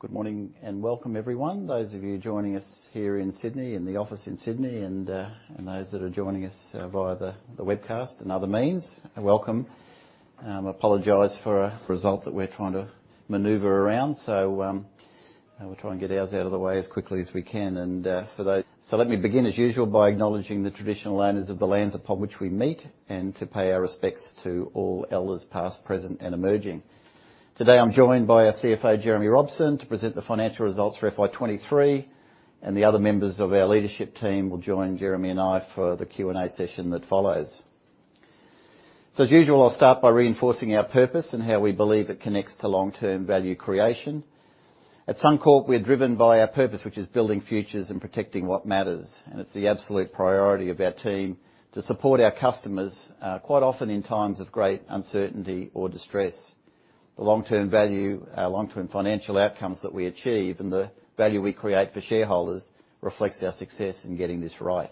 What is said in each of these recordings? Good morning, welcome, everyone. Those of you joining us here in Sydney, in the office in Sydney, and those that are joining us via the webcast and other means, welcome. I apologize for a result that we're trying to maneuver around. We'll try and get ours out of the way as quickly as we can. Let me begin, as usual, by acknowledging the traditional owners of the lands upon which we meet, and to pay our respects to all elders, past, present, and emerging. Today, I'm joined by our CFO, Jeremy Robson, to present the Financial Results for FY 2023, and the other members of our leadership team will join Jeremy and I for the Q&A session that follows. As usual, I'll start by reinforcing our purpose and how we believe it connects to long-term value creation. At Suncorp, we're driven by our purpose, which is building futures and protecting what matters. It's the absolute priority of our team to support our customers, quite often in times of great uncertainty or distress. The long-term value, long-term financial outcomes that we achieve and the value we create for shareholders reflects our success in getting this right.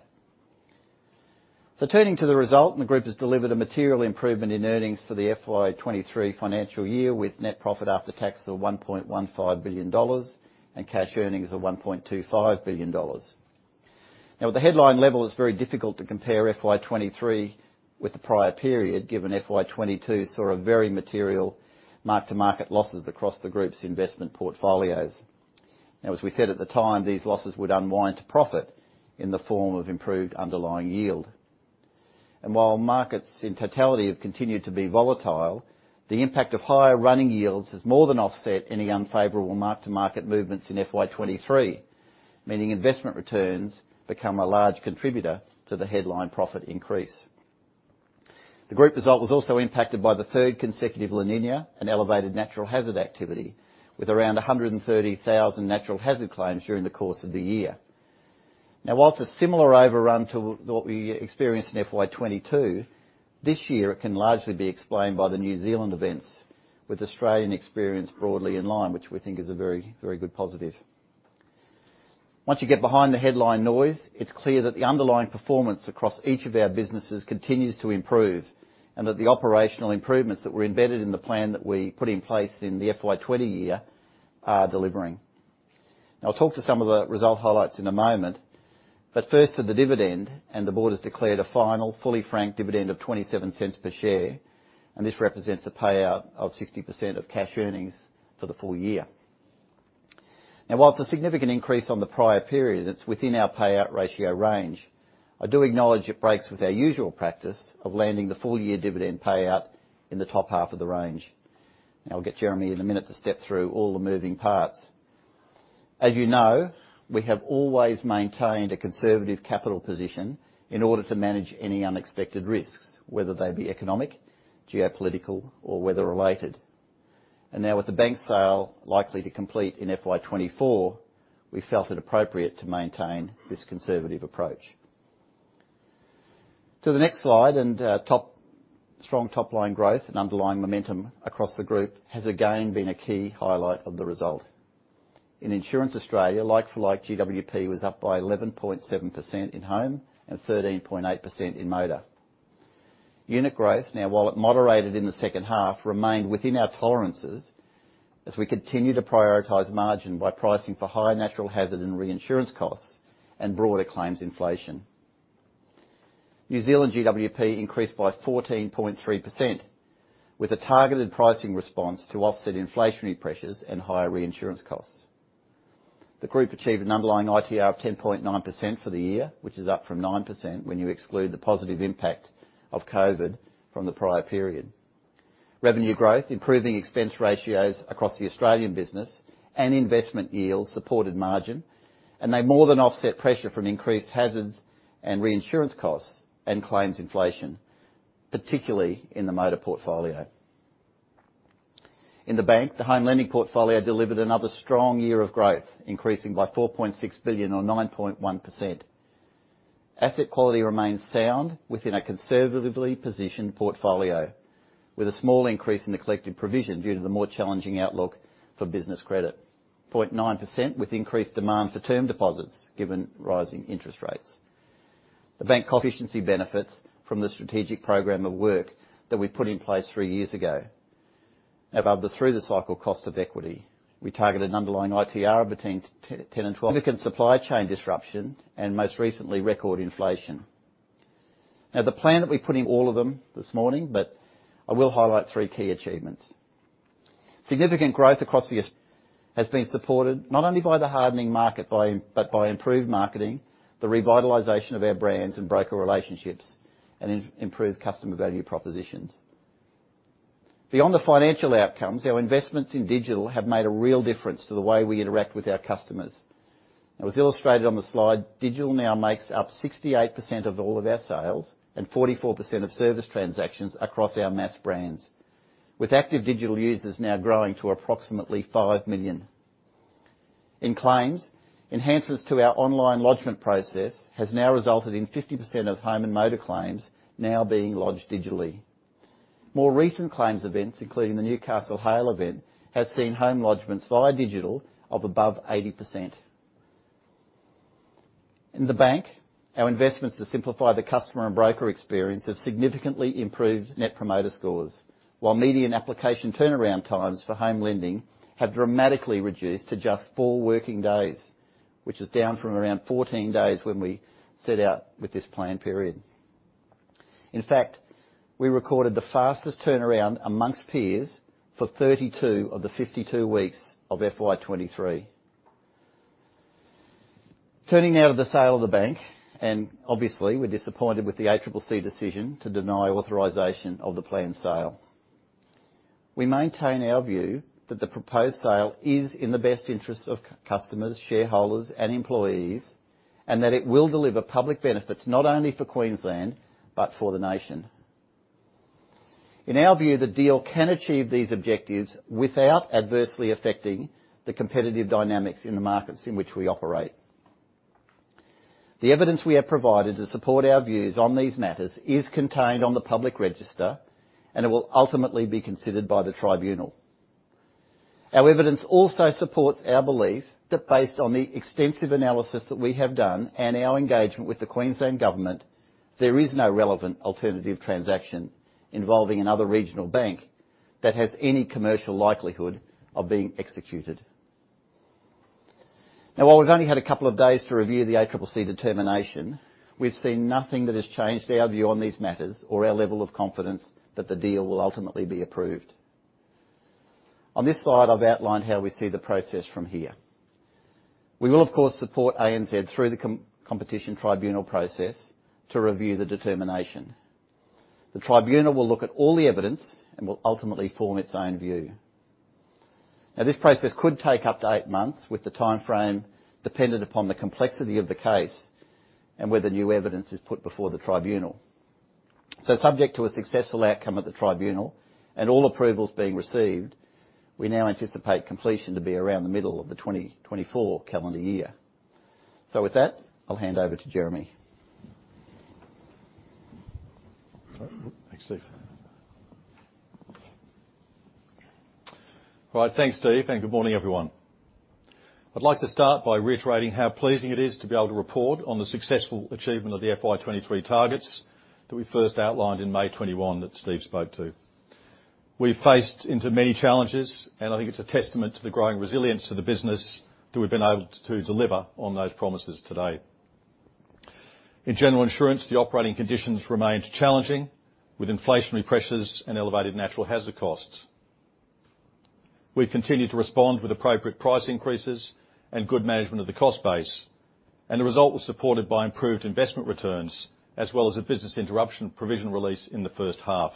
Turning to the result, the group has delivered a material improvement in earnings for the FY 2023 financial year, with net profit after tax of AUD 1.15 billion, and cash earnings of AUD 1.25 billion. At the headline level, it's very difficult to compare FY 2023 with the prior period, given FY 2022 saw a very material mark-to-market losses across the group's investment portfolios. As we said at the time, these losses would unwind to profit in the form of improved underlying yield. While markets in totality have continued to be volatile, the impact of higher running yields has more than offset any unfavorable mark-to-market movements in FY 2023, meaning investment returns become a large contributor to the headline profit increase. The group result was also impacted by the third consecutive La Niña and elevated natural hazard activity, with around 130,000 natural hazard claims during the course of the year. Whilst a similar overrun to what we experienced in FY 2022, this year it can largely be explained by the New Zealand events, with Australian experience broadly in line, which we think is a very, very good positive. Once you get behind the headline noise, it's clear that the underlying performance across each of our businesses continues to improve, and that the operational improvements that were embedded in the plan that we put in place in the FY 2020 year are delivering. I'll talk to some of the result highlights in a moment, but first to the dividend, and the board has declared a final fully franked dividend of 0.27 per share, and this represents a payout of 60% of cash earnings for the full year. While it's a significant increase on the prior period, it's within our payout ratio range. I do acknowledge it breaks with our usual practice of landing the full year dividend payout in the top half of the range. I'll get Jeremy in a minute to step through all the moving parts. As you know, we have always maintained a conservative capital position in order to manage any unexpected risks, whether they be economic, geopolitical, or weather-related. Now with the bank sale likely to complete in FY 2024, we felt it appropriate to maintain this conservative approach. To the next slide, strong top-line growth and underlying momentum across the group has again been a key highlight of the result. In Insurance Australia, like-for-like GWP was up by 11.7% in home and 13.8% in motor. Unit growth, now, while it moderated in the second half, remained within our tolerances as we continue to prioritize margin by pricing for higher natural hazard and reinsurance costs and broader claims inflation. New Zealand GWP increased by 14.3%, with a targeted pricing response to offset inflationary pressures and higher reinsurance costs. The group achieved an underlying ITR of 10.9% for the year, which is up from 9% when you exclude the positive impact of COVID from the prior period. Revenue growth, improving expense ratios across the Australian business and investment yields supported margin, they more than offset pressure from increased hazards and reinsurance costs and claims inflation, particularly in the motor portfolio. In the bank, the home lending portfolio delivered another strong year of growth, increasing by 4.6 billion or 9.1%. Asset quality remains sound within a conservatively positioned portfolio, with a small increase in the collected provision due to the more challenging outlook for business credit 0.9%, with increased demand for term deposits given rising interest rates. The bank efficiency benefits from the strategic program of work that we put in place three years ago. Above the through-the-cycle cost of equity, we targeted an underlying ITR between 10 and 12. Significant supply chain disruption and most recently, record inflation. Now, the plan that we put in all of them this morning, but I will highlight three key achievements. Significant growth across the has been supported not only by the hardening market, but by improved marketing, the revitalization of our brands and broker relationships, and improved customer value propositions. Beyond the financial outcomes, our investments in digital have made a real difference to the way we interact with our customers. As was illustrated on the slide, digital now makes up 68% of all of our sales and 44% of service transactions across our mass brands, with active digital users now growing to approximately 5 million. In claims, enhancements to our online lodgment process has now resulted in 50% of home and motor claims now being lodged digitally. More recent claims events, including the Newcastle Hail Event, has seen home lodgments via digital of above 80%. In the bank, our investments to simplify the customer and broker experience have significantly improved Net Promoter Scores, while median application turnaround times for home lending have dramatically reduced to just four working days, which is down from around 14 days when we set out with this plan period. In fact, we recorded the fastest turnaround amongst peers for 32 of the 52 weeks of FY 2023. Turning now to the sale of the bank, obviously, we're disappointed with the ACCC decision to deny authorization of the planned sale. We maintain our view that the proposed sale is in the best interest of customers, shareholders, and employees, and that it will deliver public benefits not only for Queensland, but for the nation. In our view, the deal can achieve these objectives without adversely affecting the competitive dynamics in the markets in which we operate. The evidence we have provided to support our views on these matters is contained on the public register, and it will ultimately be considered by the tribunal. Our evidence also supports our belief that based on the extensive analysis that we have done and our engagement with the Queensland Government, there is no relevant alternative transaction involving another regional bank that has any commercial likelihood of being executed. While we've only had a couple of days to review the ACCC determination, we've seen nothing that has changed our view on these matters or our level of confidence that the deal will ultimately be approved. On this slide, I've outlined how we see the process from here. We will, of course, support ANZ through the Competition Tribunal process to review the determination. The Tribunal will look at all the evidence and will ultimately form its own view. This process could take up to 8 months, with the timeframe dependent upon the complexity of the case and whether new evidence is put before the Tribunal. Subject to a successful outcome at the tribunal and all approvals being received, we now anticipate completion to be around the middle of the 2024 calendar year. With that, I'll hand over to Jeremy. Thanks, Steve. All right, thanks, Steve. Good morning, everyone. I'd like to start by reiterating how pleasing it is to be able to report on the successful achievement of the FY 2023 targets that we first outlined in May 2021 that Steve spoke to. We've faced into many challenges. I think it's a testament to the growing resilience of the business that we've been able to deliver on those promises today. In general insurance, the operating conditions remained challenging, with inflationary pressures and elevated natural hazard costs. We've continued to respond with appropriate price increases and good management of the cost base. The result was supported by improved investment returns, as well as a business interruption provision release in the first half.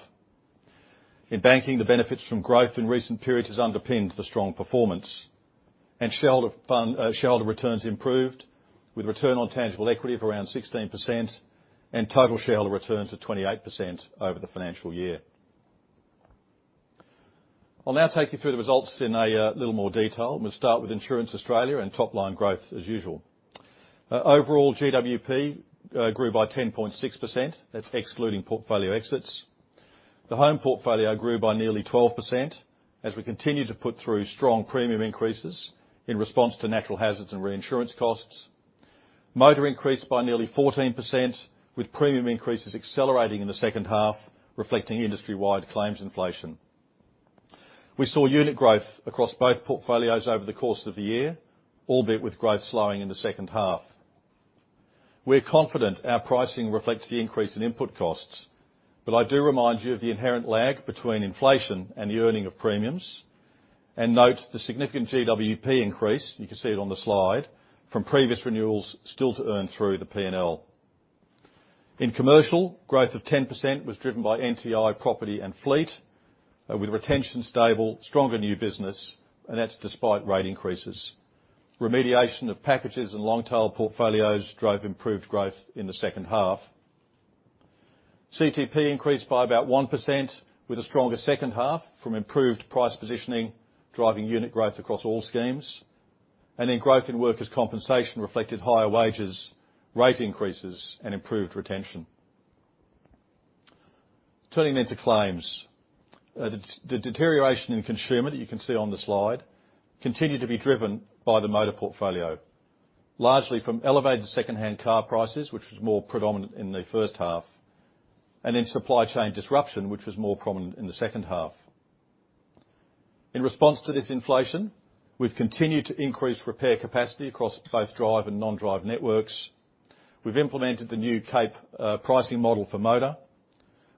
In banking, the benefits from growth in recent periods has underpinned the strong performance, and shareholder fund, shareholder returns improved, with return on tangible equity of around 16% and total shareholder returns of 28% over the financial year. I'll now take you through the results in a little more detail, and we'll start with Insurance Australia and top-line growth as usual. Overall, GWP grew by 10.6%. That's excluding portfolio exits. The home portfolio grew by nearly 12% as we continued to put through strong premium increases in response to natural hazards and reinsurance costs. Motor increased by nearly 14%, with premium increases accelerating in the second half, reflecting industry-wide claims inflation. We saw unit growth across both portfolios over the course of the year, albeit with growth slowing in the second half. We're confident our pricing reflects the increase in input costs, I do remind you of the inherent lag between inflation and the earning of premiums, and note the significant GWP increase, you can see it on the slide, from previous renewals still to earn through the P&L. In commercial, growth of 10% was driven by NTI, property, and fleet, with retention stable, stronger new business, and that's despite rate increases. Remediation of packages and long-tail portfolios drove improved growth in the second half. CTP increased by about 1%, with a stronger second half from improved price positioning, driving unit growth across all schemes. Growth in workers' compensation reflected higher wages, rate increases, and improved retention. Turning into claims. The, the deterioration in consumer, that you can see on the slide, continued to be driven by the motor portfolio, largely from elevated secondhand car prices, which was more predominant in the first half, and then supply chain disruption, which was more prominent in the second half. In response to this inflation, we've continued to increase repair capacity across both drive and non-drive networks. We've implemented the new CAPE pricing model for motor.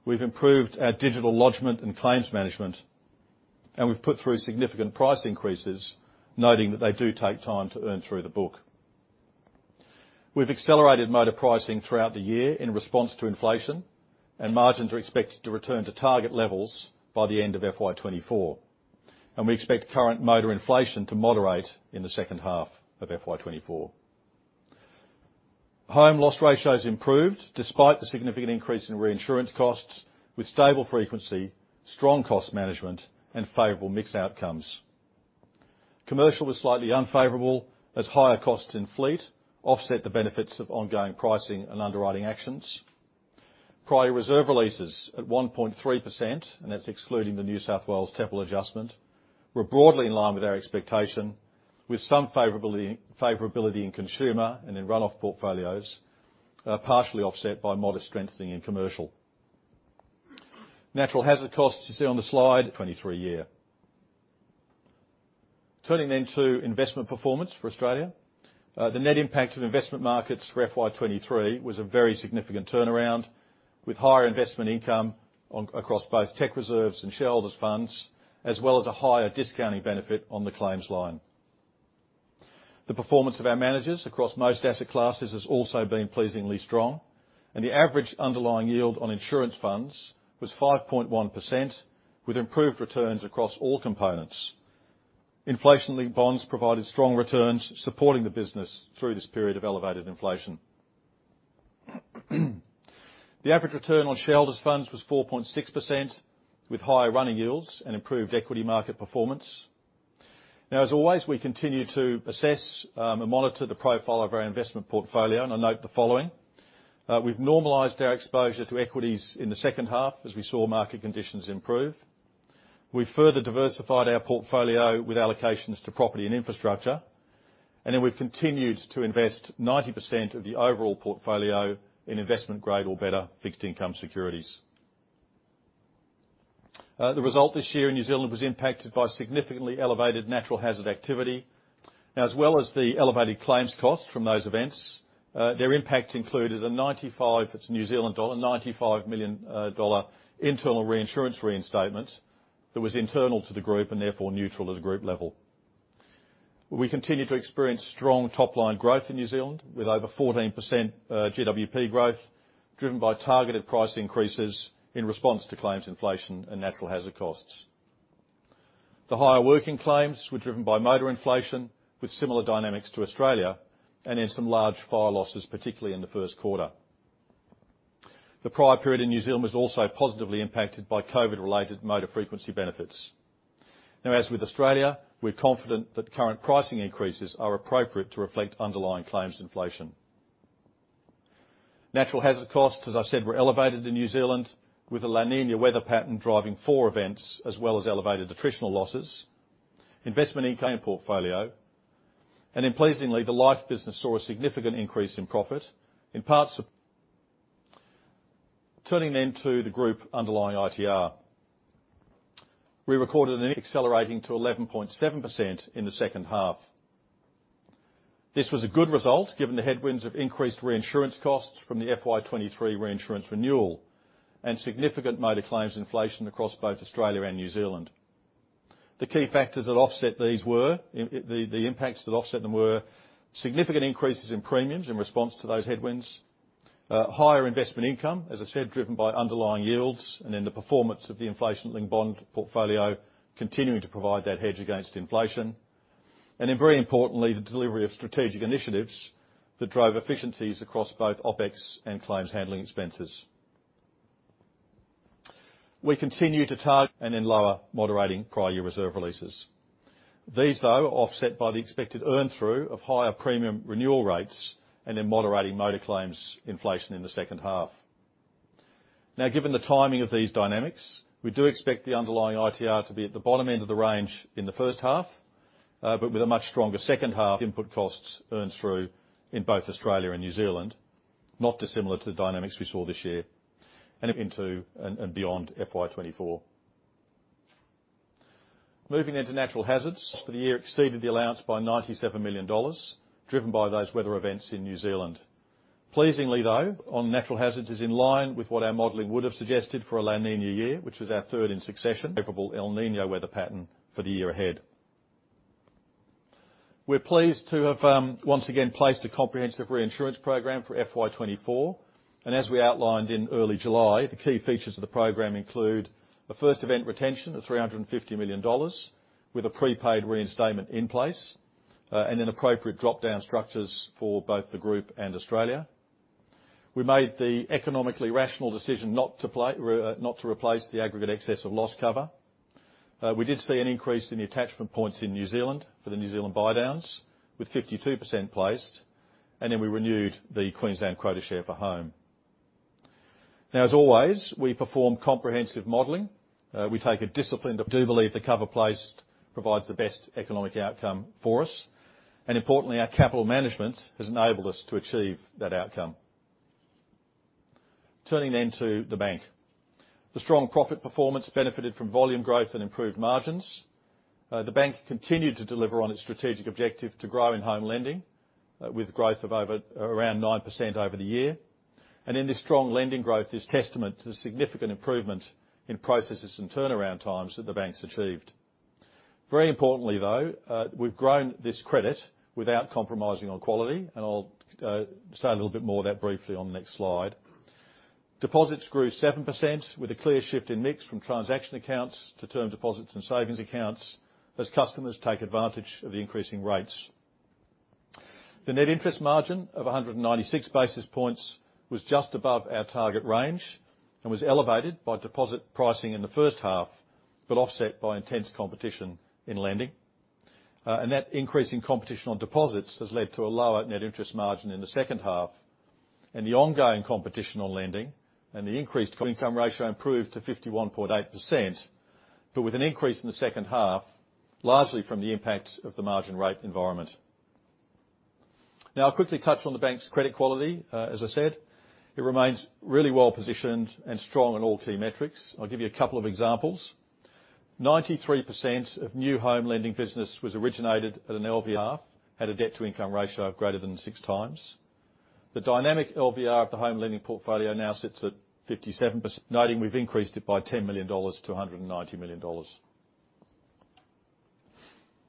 We've improved our digital lodgment and claims management, and we've put through significant price increases, noting that they do take time to earn through the book. We've accelerated motor pricing throughout the year in response to inflation, and margins are expected to return to target levels by the end of FY 2024, and we expect current motor inflation to moderate in the second half of FY 2024. Home loss ratios improved, despite the significant increase in reinsurance costs, with stable frequency, strong cost management, and favorable mix outcomes. Commercial was slightly unfavorable, as higher costs in fleet offset the benefits of ongoing pricing and underwriting actions. Prior year reserve releases at 1.3%, and that's excluding the New South Wales TEPL adjustment, were broadly in line with our expectation, with some favorability, favorability in consumer and in run-off portfolios, partially offset by modest strengthening in commercial. Natural hazard costs, you see on the slide, 23 year. Turning into investment performance for Australia, the net impact of investment markets for FY 2023 was a very significant turnaround, with higher investment income on, across both tech reserves and shareholders funds, as well as a higher discounting benefit on the claims line. The performance of our managers across most asset classes has also been pleasingly strong, and the average underlying yield on insurance funds was 5.1%, with improved returns across all components. Inflationally, bonds provided strong returns, supporting the business through this period of elevated inflation. The average return on shareholders' funds was 4.6%, with higher running yields and improved equity market performance. As always, we continue to assess and monitor the profile of our investment portfolio, and I note the following: We've normalized our exposure to equities in the second half as we saw market conditions improve. We've further diversified our portfolio with allocations to property and infrastructure, and then we've continued to invest 90% of the overall portfolio in investment-grade or better fixed income securities. The result this year in New Zealand was impacted by significantly elevated natural hazard activity. As well as the elevated claims costs from those events, their impact included a 95 million dollar internal reinsurance reinstatement that was internal to the group and therefore neutral at the group level. We continue to experience strong top-line growth in New Zealand, with over 14% GWP growth, driven by targeted price increases in response to claims inflation and natural hazard costs. The higher working claims were driven by motor inflation, with similar dynamics to Australia, and in some large fire losses, particularly in the first quarter. The prior period in New Zealand was also positively impacted by COVID-related motor frequency benefits. As with Australia, we're confident that current pricing increases are appropriate to reflect underlying claims inflation. Natural hazard costs, as I said, were elevated in New Zealand, with a La Niña weather pattern driving four events as well as elevated attritional losses. Investment income portfolio, and then pleasingly, the life business saw a significant increase in profit, in parts of. Turning to the group underlying ITR. We recorded an accelerating to 11.7% in the second half. This was a good result, given the headwinds of increased reinsurance costs from the FY 2023 reinsurance renewal, and significant motor claims inflation across both Australia and New Zealand. The key factors that offset these were the impacts that offset them were significant increases in premiums in response to those headwinds, higher investment income, as I said, driven by underlying yields, and then the performance of the inflation-linked bond portfolio continuing to provide that hedge against inflation. Very importantly, the delivery of strategic initiatives that drove efficiencies across both OpEx and claims handling expenses. We continue to target, and in lower moderating prior year reserve releases. These, though, are offset by the expected earn through of higher premium renewal rates and in moderating motor claims inflation in the second half. Given the timing of these dynamics, we do expect the underlying ITR to be at the bottom end of the range in the first half, but with a much stronger second half input costs earned through in both Australia and New Zealand, not dissimilar to the dynamics we saw this year, and into and beyond FY 2024. Moving into natural hazards for the year exceeded the allowance by 97 million dollars, driven by those weather events in New Zealand. Pleasingly, though, on natural hazards is in line with what our modeling would have suggested for a La Niña year, which is our third in succession. Favorable El Niño weather pattern for the year ahead. We're pleased to have once again placed a comprehensive reinsurance program for FY 2024, and as we outlined in early July, the key features of the program include a first event retention of 350 million dollars with a prepaid reinstatement in place, and then appropriate drop-down structures for both the group and Australia. We made the economically rational decision not to replace the aggregate excess of loss cover. We did see an increase in the attachment points in New Zealand for the New Zealand buy downs, with 52% placed, and then we renewed the Queensland quota share for home. Now, as always, we perform comprehensive modeling. We take a disciplined, but do believe the cover placed provides the best economic outcome for us. Importantly, our capital management has enabled us to achieve that outcome. Turning then to the bank. The strong profit performance benefited from volume growth and improved margins. The bank continued to deliver on its strategic objective to grow in home lending, with growth of over, around 9% over the year. In this strong lending growth is testament to the significant improvement in processes and turnaround times that the bank's achieved. Very importantly, though, we've grown this credit without compromising on quality, and I'll say a little bit more about that briefly on the next slide. Deposits grew 7%, with a clear shift in mix from transaction accounts to term deposits and savings accounts as customers take advantage of the increasing rates. The net interest margin of 196 basis points was just above our target range and was elevated by deposit pricing in the first half, offset by intense competition in lending. That increase in competition on deposits has led to a lower net interest margin in the second half. The ongoing competition on lending and the increased income ratio improved to 51.8%, with an increase in the second half, largely from the impact of the margin rate environment. Now, I'll quickly touch on the bank's credit quality. As I said, it remains really well positioned and strong in all key metrics. I'll give you a couple of examples. 93% of new home lending business was originated at an LVR at a debt-to-income ratio of greater than 6x. The dynamic LVR of the home lending portfolio now sits at 57%, noting we've increased it by 10 million dollars to 190 million dollars.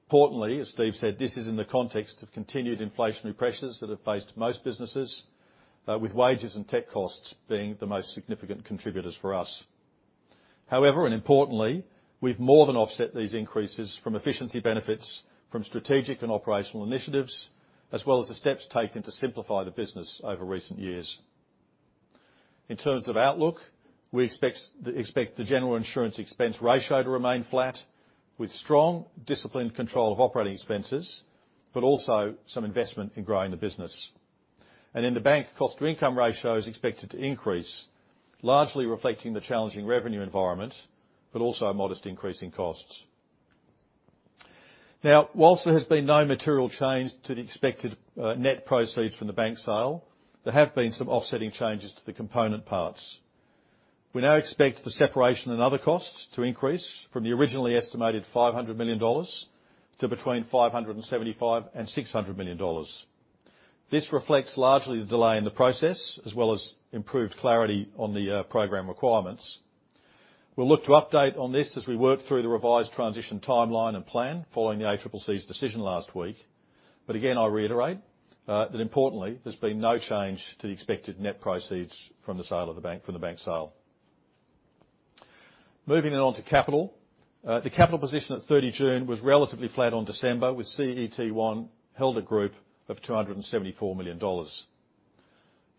Importantly, as Steve said, this is in the context of continued inflationary pressures that have faced most businesses, with wages and tech costs being the most significant contributors for us. However, and importantly, we've more than offset these increases from efficiency benefits from strategic and operational initiatives, as well as the steps taken to simplify the business over recent years. In terms of outlook, we expect the general insurance expense ratio to remain flat, with strong, disciplined control of operating expenses, but also some investment in growing the business. In the bank, cost-to-income ratio is expected to increase, largely reflecting the challenging revenue environment, but also a modest increase in costs. Now, whilst there has been no material change to the expected net proceeds from the bank sale, there have been some offsetting changes to the component parts. We now expect the separation and other costs to increase from the originally estimated 500 million dollars to between 575 million and 600 million dollars. This reflects largely the delay in the process, as well as improved clarity on the program requirements. We'll look to update on this as we work through the revised transition timeline and plan following the ACCC's decision last week. Again, I reiterate that importantly, there's been no change to the expected net proceeds from the sale of the bank, from the bank sale. Moving on to capital. The capital position at 30 June was relatively flat on December, with CET1 held a group of 274 million dollars.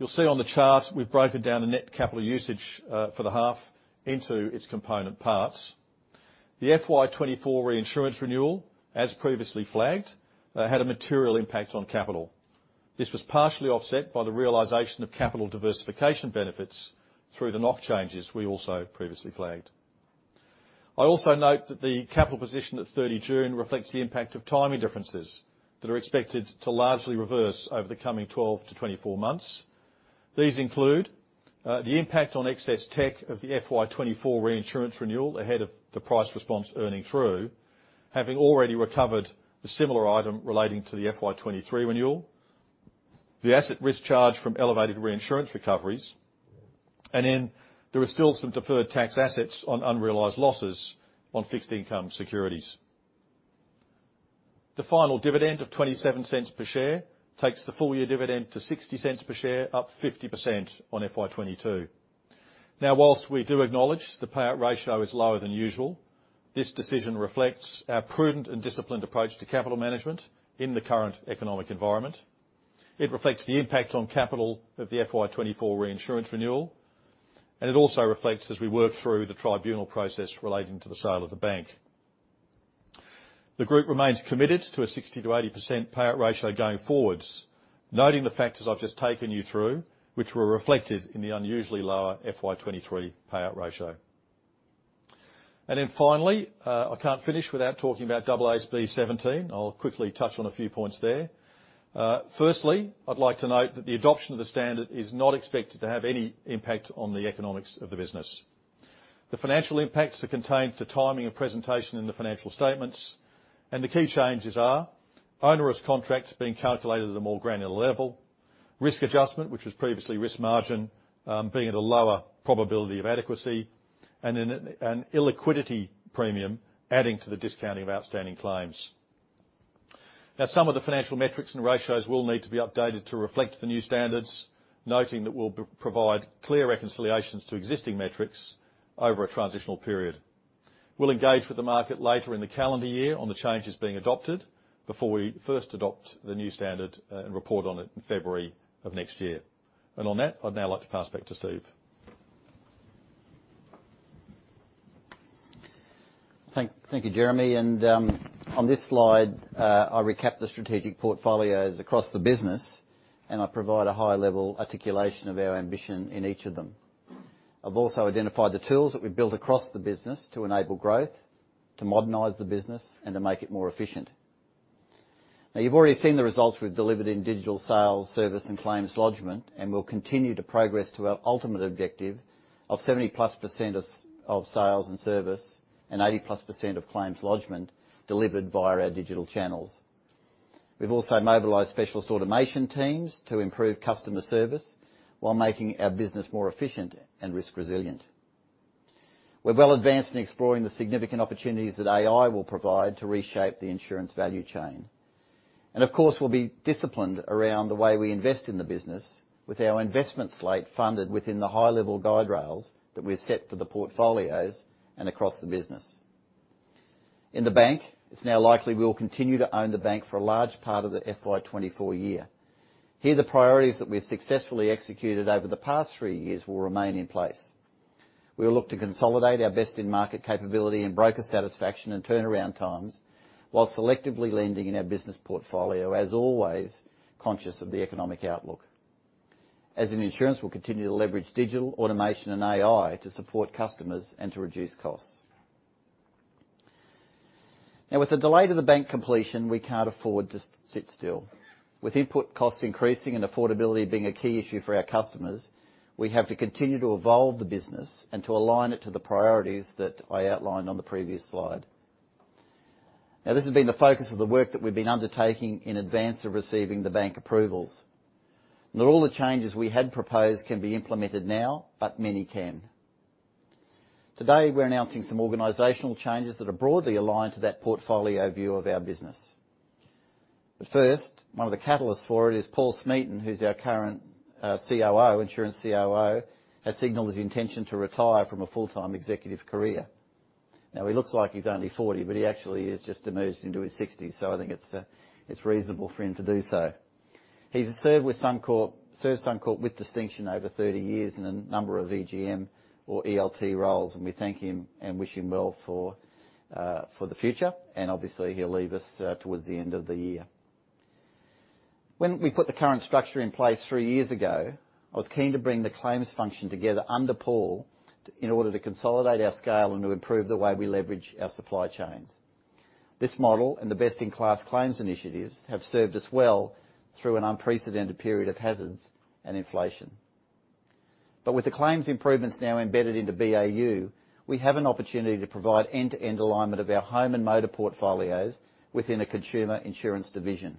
You'll see on the chart, we've broken down the net capital usage for the half into its component parts. The FY 2024 reinsurance renewal, as previously flagged, had a material impact on capital. This was partially offset by the realization of capital diversification benefits through the NOHC changes we also previously flagged. I also note that the capital position at 30 June reflects the impact of timing differences that are expected to largely reverse over the coming 12 months-24 months. These include the impact on excess tech of the FY 2024 reinsurance renewal ahead of the price response earning through, having already recovered a similar item relating to the FY 2023 renewal, the asset risk charge from elevated reinsurance recoveries, and then there are still some deferred tax assets on unrealized losses on fixed income securities. The final dividend of 0.27 per share takes the full year dividend to 0.60 per share, up 50% on FY 2022. Whilst we do acknowledge the payout ratio is lower than usual, this decision reflects our prudent and disciplined approach to capital management in the current economic environment. It reflects the impact on capital of the FY 2024 reinsurance renewal, and it also reflects as we work through the tribunal process relating to the sale of the bank. The group remains committed to a 60%-80% payout ratio going forwards, noting the factors I've just taken you through, which were reflected in the unusually lower FY 2023 payout ratio. Finally, I can't finish without talking about AASB 17. I'll quickly touch on a few points there. Firstly, I'd like to note that the adoption of the standard is not expected to have any impact on the economics of the business. The financial impacts are contained to timing and presentation in the financial statements, and the key changes are: onerous contracts being calculated at a more granular level, risk adjustment, which was previously risk margin, being at a lower probability of adequacy, and an illiquidity premium adding to the discounting of outstanding claims. Some of the financial metrics and ratios will need to be updated to reflect the new standards, noting that we'll provide clear reconciliations to existing metrics over a transitional period. We'll engage with the market later in the calendar year on the changes being adopted before we first adopt the new standard and report on it in February of next year. On that, I'd now like to pass back to Steve. Thank you, Jeremy. On this slide, I recap the strategic portfolios across the business, and I provide a high-level articulation of our ambition in each of them. I've also identified the tools that we've built across the business to enable growth, to modernize the business, and to make it more efficient. Now, you've already seen the results we've delivered in digital sales, service, and claims lodgment, and we'll continue to progress to our ultimate objective of 70% plus of sales and service, and 80% plus of claims lodgment delivered via our digital channels. We've also mobilized specialist automation teams to improve customer service while making our business more efficient and risk resilient. We're well advanced in exploring the significant opportunities that AI will provide to reshape the insurance value chain. Of course, we'll be disciplined around the way we invest in the business, with our investment slate funded within the high-level guide rails that we've set for the portfolios and across the business. In the bank, it's now likely we'll continue to own the bank for a large part of the FY 2024 year. Here, the priorities that we've successfully executed over the past three years will remain in place. We will look to consolidate our best-in-market capability and broker satisfaction and turnaround times, while selectively lending in our business portfolio, as always, conscious of the economic outlook. In insurance, we'll continue to leverage digital, automation, and AI to support customers and to reduce costs. With the delay to the bank completion, we can't afford to sit still. With input costs increasing and affordability being a key issue for our customers, we have to continue to evolve the business and to align it to the priorities that I outlined on the previous slide. This has been the focus of the work that we've been undertaking in advance of receiving the bank approvals. Not all the changes we had proposed can be implemented now, but many can. Today, we're announcing some organizational changes that are broadly aligned to that portfolio view of our business. First, one of the catalysts for it is Paul Smeeton, who's our current COO, Insurance COO, has signaled his intention to retire from a full-time executive career. He looks like he's only 40, but he actually is just emerged into his 60s, so I think it's reasonable for him to do so. He's served Suncorp with distinction over 30 years in a number of EGM or ELT roles, and we thank him and wish him well for the future. Obviously, he'll leave us towards the end of the year. When we put the current structure in place three years ago, I was keen to bring the claims function together under Paul, in order to consolidate our scale and to improve the way we leverage our supply chains. This model, and the Best-in-Class Claims initiatives, have served us well through an unprecedented period of hazards and inflation. With the claims improvements now embedded into BAU, we have an opportunity to provide end-to-end alignment of our home and motor portfolios within a Consumer Insurance division.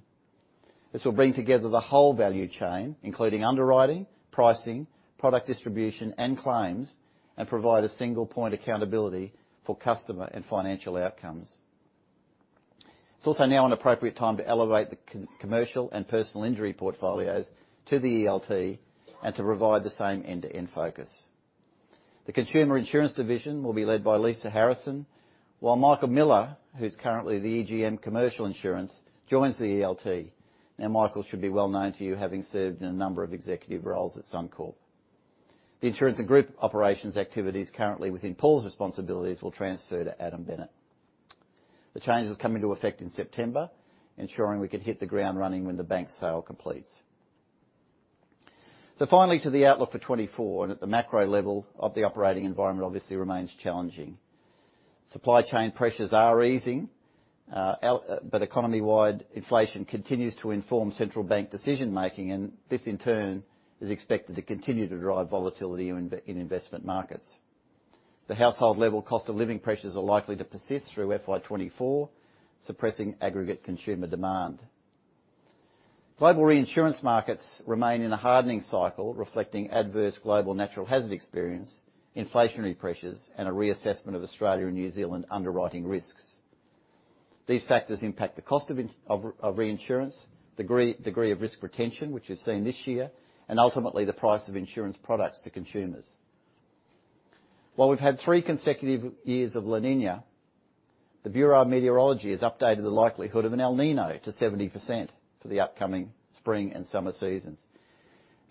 This will bring together the whole value chain, including underwriting, pricing, product distribution, and claims, and provide a single point accountability for customer and financial outcomes. It's also now an appropriate time to elevate the commercial and personal injury portfolios to the ELT and to provide the same end-to-end focus. The Consumer Insurance division will be led by Lisa Harrison, while Michael Miller, who's currently the EGM Commercial Insurance, joins the ELT. Michael should be well known to you, having served in a number of executive roles at Suncorp. The Insurance and Group Operations activities currently within Paul's responsibilities will transfer to Adam Bennett. The changes will come into effect in September, ensuring we could hit the ground running when the bank sale completes. Finally, to the outlook for 2024, at the macro level of the operating environment, obviously remains challenging. Supply chain pressures are easing, but economy-wide inflation continues to inform central bank decision-making, and this, in turn, is expected to continue to drive volatility in investment markets. The household level cost of living pressures are likely to persist through FY 2024, suppressing aggregate consumer demand. Global reinsurance markets remain in a hardening cycle, reflecting adverse global natural hazard experience, inflationary pressures, and a reassessment of Australia and New Zealand underwriting risks. These factors impact the cost of reinsurance, degree of risk retention, which we've seen this year, and ultimately, the price of insurance products to consumers. While we've had three consecutive years of La Niña, the Bureau of Meteorology has updated the likelihood of an El Niño to 70% for the upcoming spring and summer seasons.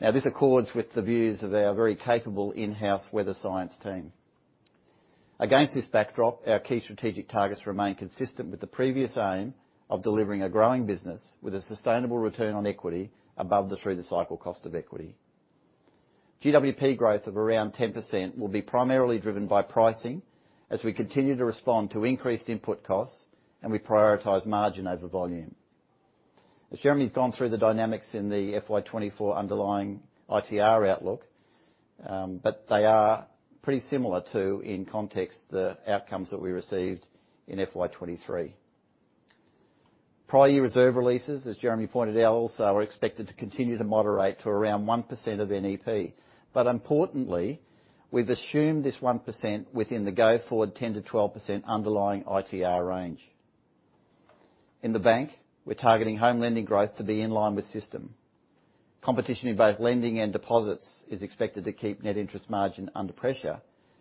Now, this accords with the views of our very capable in-house weather science team. Against this backdrop, our key strategic targets remain consistent with the previous aim of delivering a growing business with a sustainable return on equity above the through-the-cycle cost of equity. GWP growth of around 10% will be primarily driven by pricing as we continue to respond to increased input costs, we prioritize margin over volume. As Jeremy's gone through the dynamics in the FY 2024 underlying ITR outlook, they are pretty similar to, in context, the outcomes that we received in FY 2023. Prior year reserve releases, as Jeremy pointed out, also are expected to continue to moderate to around 1% of NEP. Importantly, we've assumed this 1% within the go-forward 10%-12% underlying ITR range. In the bank, we're targeting home lending growth to be in line with system. Competition in both lending and deposits is expected to keep net interest margin under pressure.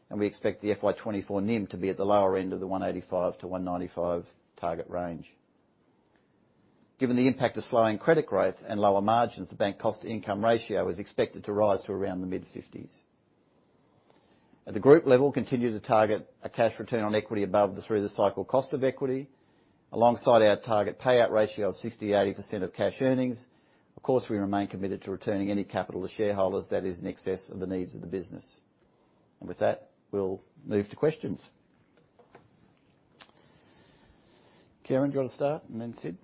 We expect the FY 2024 NIM to be at the lower end of the 185-195 target range. Given the impact of slowing credit growth and lower margins, the bank cost-to-income ratio is expected to rise to around the mid-fifties. At the group level, continue to target a cash return on equity above the through-the-cycle cost of equity, alongside our target payout ratio of 60%-80% of cash earnings. Of course, we remain committed to returning any capital to shareholders that is in excess of the needs of the business. With that, we'll move to questions. Kieran, do you want to start, and then Sid?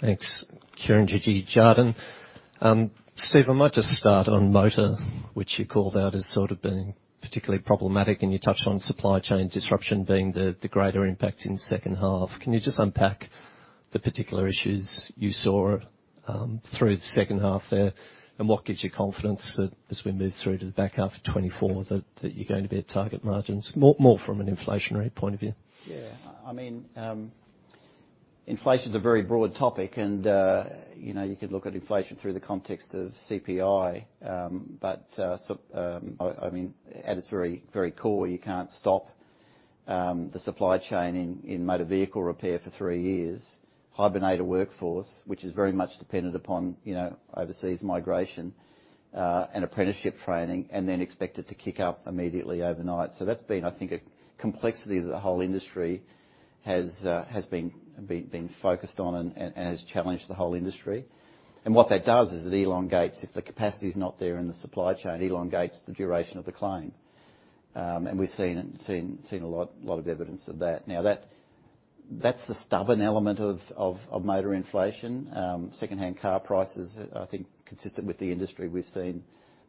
Thanks. Kieran Chidgey, Jarden. Steve, I might just start on motor, which you called out as sort of being particularly problematic, and you touched on supply chain disruption being the greater impact in the second half. Can you just unpack the particular issues you saw through the second half there? What gives you confidence that as we move through to the back half of 2024, that, that you're going to be at target margins, more, more from an inflationary point of view? Yeah. I, I mean, inflation's a very broad topic. You know, you could look at inflation through the context of CPI. I, I mean, at its very, very core, you can't stop-... the supply chain in motor vehicle repair for three years, hibernate a workforce, which is very much dependent upon, you know, overseas migration, and apprenticeship training, and then expect it to kick up immediately overnight. That's been, I think, a complexity that the whole industry has been focused on and has challenged the whole industry. What that does is it elongates, if the capacity is not there in the supply chain, elongates the duration of the claim. We've seen it, a lot of evidence of that. Now, that, that's the stubborn element of motor inflation. Secondhand car prices, I think consistent with the industry, we've seen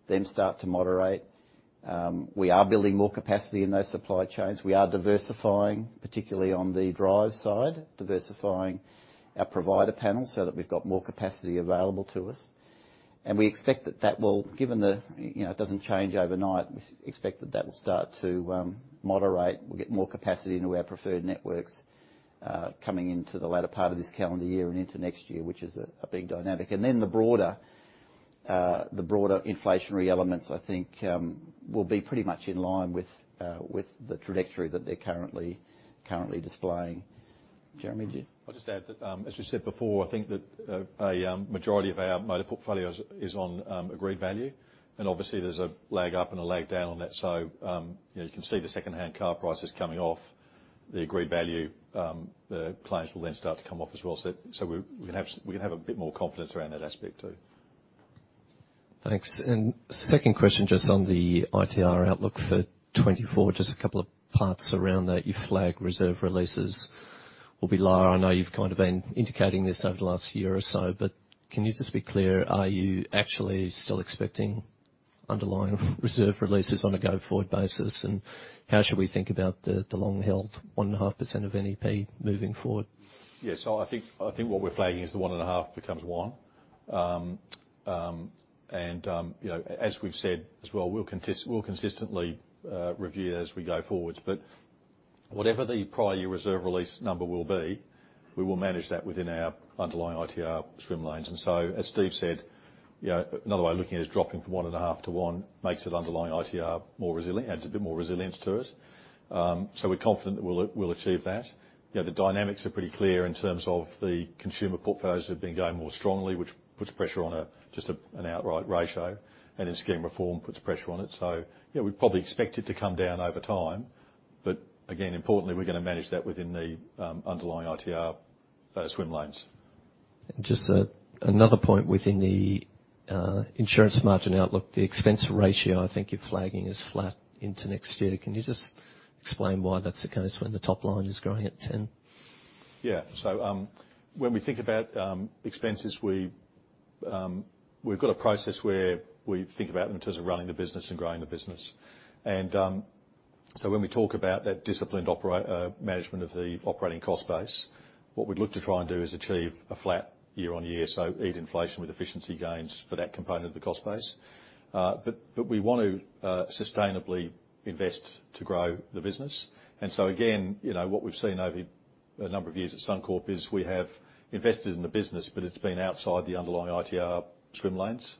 them start to moderate. We are building more capacity in those supply chains. We are diversifying, particularly on the drive side, diversifying our provider panel so that we've got more capacity available to us. We expect that that will given the, you know, it doesn't change overnight, we expect that that will start to moderate. We'll get more capacity into our preferred networks, coming into the latter part of this calendar year and into next year, which is a big dynamic. Then the broader, the broader inflationary elements, I think, will be pretty much in line with the trajectory that they're currently, currently displaying. Jeremy, do you? I'll just add that, as you said before, I think that a majority of our motor portfolios is on agreed value, and obviously there's a lag up and a lag down on that. You know, you can see the secondhand car prices coming off the agreed value, the clients will then start to come off as well. We, we can have, we can have a bit more confidence around that aspect, too. Thanks. Second question, just on the ITR outlook for 2024, just a couple of parts around that. You flag reserve releases will be lower. I know you've kind of been indicating this over the last year or so, but can you just be clear, are you actually still expecting underlying reserve releases on a go-forward basis? How should we think about the, the long-held 1.5% of NEP moving forward? Yes, I think, I think what we're flagging is the one and a half becomes one. You know, as we've said as well, we'll consistently review as we go forward, but whatever the prior year reserve release number will be, we will manage that within our underlying ITR swim lanes. As Steve said, you know, another way of looking at it is dropping from one and a half to one makes the underlying ITR more resilient, adds a bit more resilience to us. So we're confident that we'll achieve that. You know, the dynamics are pretty clear in terms of the consumer portfolios have been going more strongly, which puts pressure on a, just a, an outright ratio, and in scheme reform puts pressure on it. Yeah, we probably expect it to come down over time, but again, importantly, we're going to manage that within the underlying ITR swim lanes. Just, another point within the, insurance margin outlook, the expense ratio, I think you're flagging is flat into next year. Can you just explain why that's the case when the top line is growing at 10? Yeah, when we think about expenses, we've got a process where we think about them in terms of running the business and growing the business. When we talk about that disciplined management of the operating cost base, what we'd look to try and do is achieve a flat year-on-year, so eat inflation with efficiency gains for that component of the cost base. We want to sustainably invest to grow the business. Again, you know, what we've seen over a number of years at Suncorp is we have invested in the business, but it's been outside the underlying ITR swim lanes.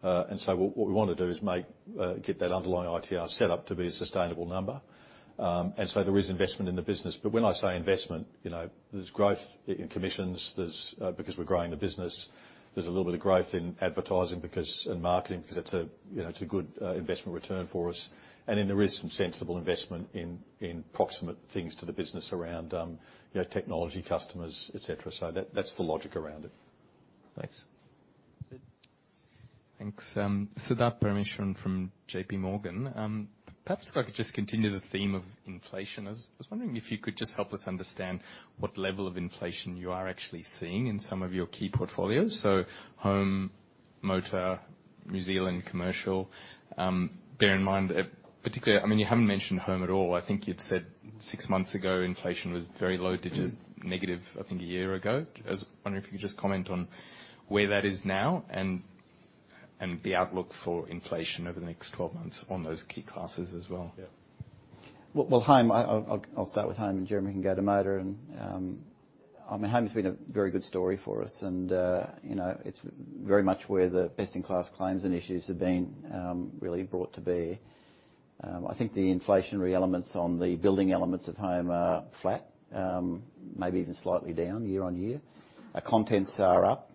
What we want to do is make, get that underlying ITR set up to be a sustainable number. There is investment in the business, but when I say investment, you know, there's growth in commissions. We're growing the business, there's a little bit of growth in advertising because, and marketing, because it's a, you know, it's a good investment return for us. There is some sensible investment in, in proximate things to the business around, you know, technology, customers, et cetera. That's the logic around it. Thanks. Thanks. Siddharth Parameswaran from JP Morgan. Perhaps if I could just continue the theme of inflation. I was, I was wondering if you could just help us understand what level of inflation you are actually seeing in some of your key portfolios. Home, motor, New Zealand commercial. Bear in mind, particularly, I mean, you haven't mentioned home at all. I think you'd said six months ago, inflation was very low digit, negative, I think a year ago. I was wondering if you could just comment on where that is now and, and the outlook for inflation over the next 12 months on those key classes as well. Yeah. Home, I'll start with home, and Jeremy can go to motor. I mean, home has been a very good story for us, and, you know, it's very much where the Best-in-Class Claims and issues have been, really brought to bear. I think the inflationary elements on the building elements of home are flat, maybe even slightly down year-on-year. Our contents are up.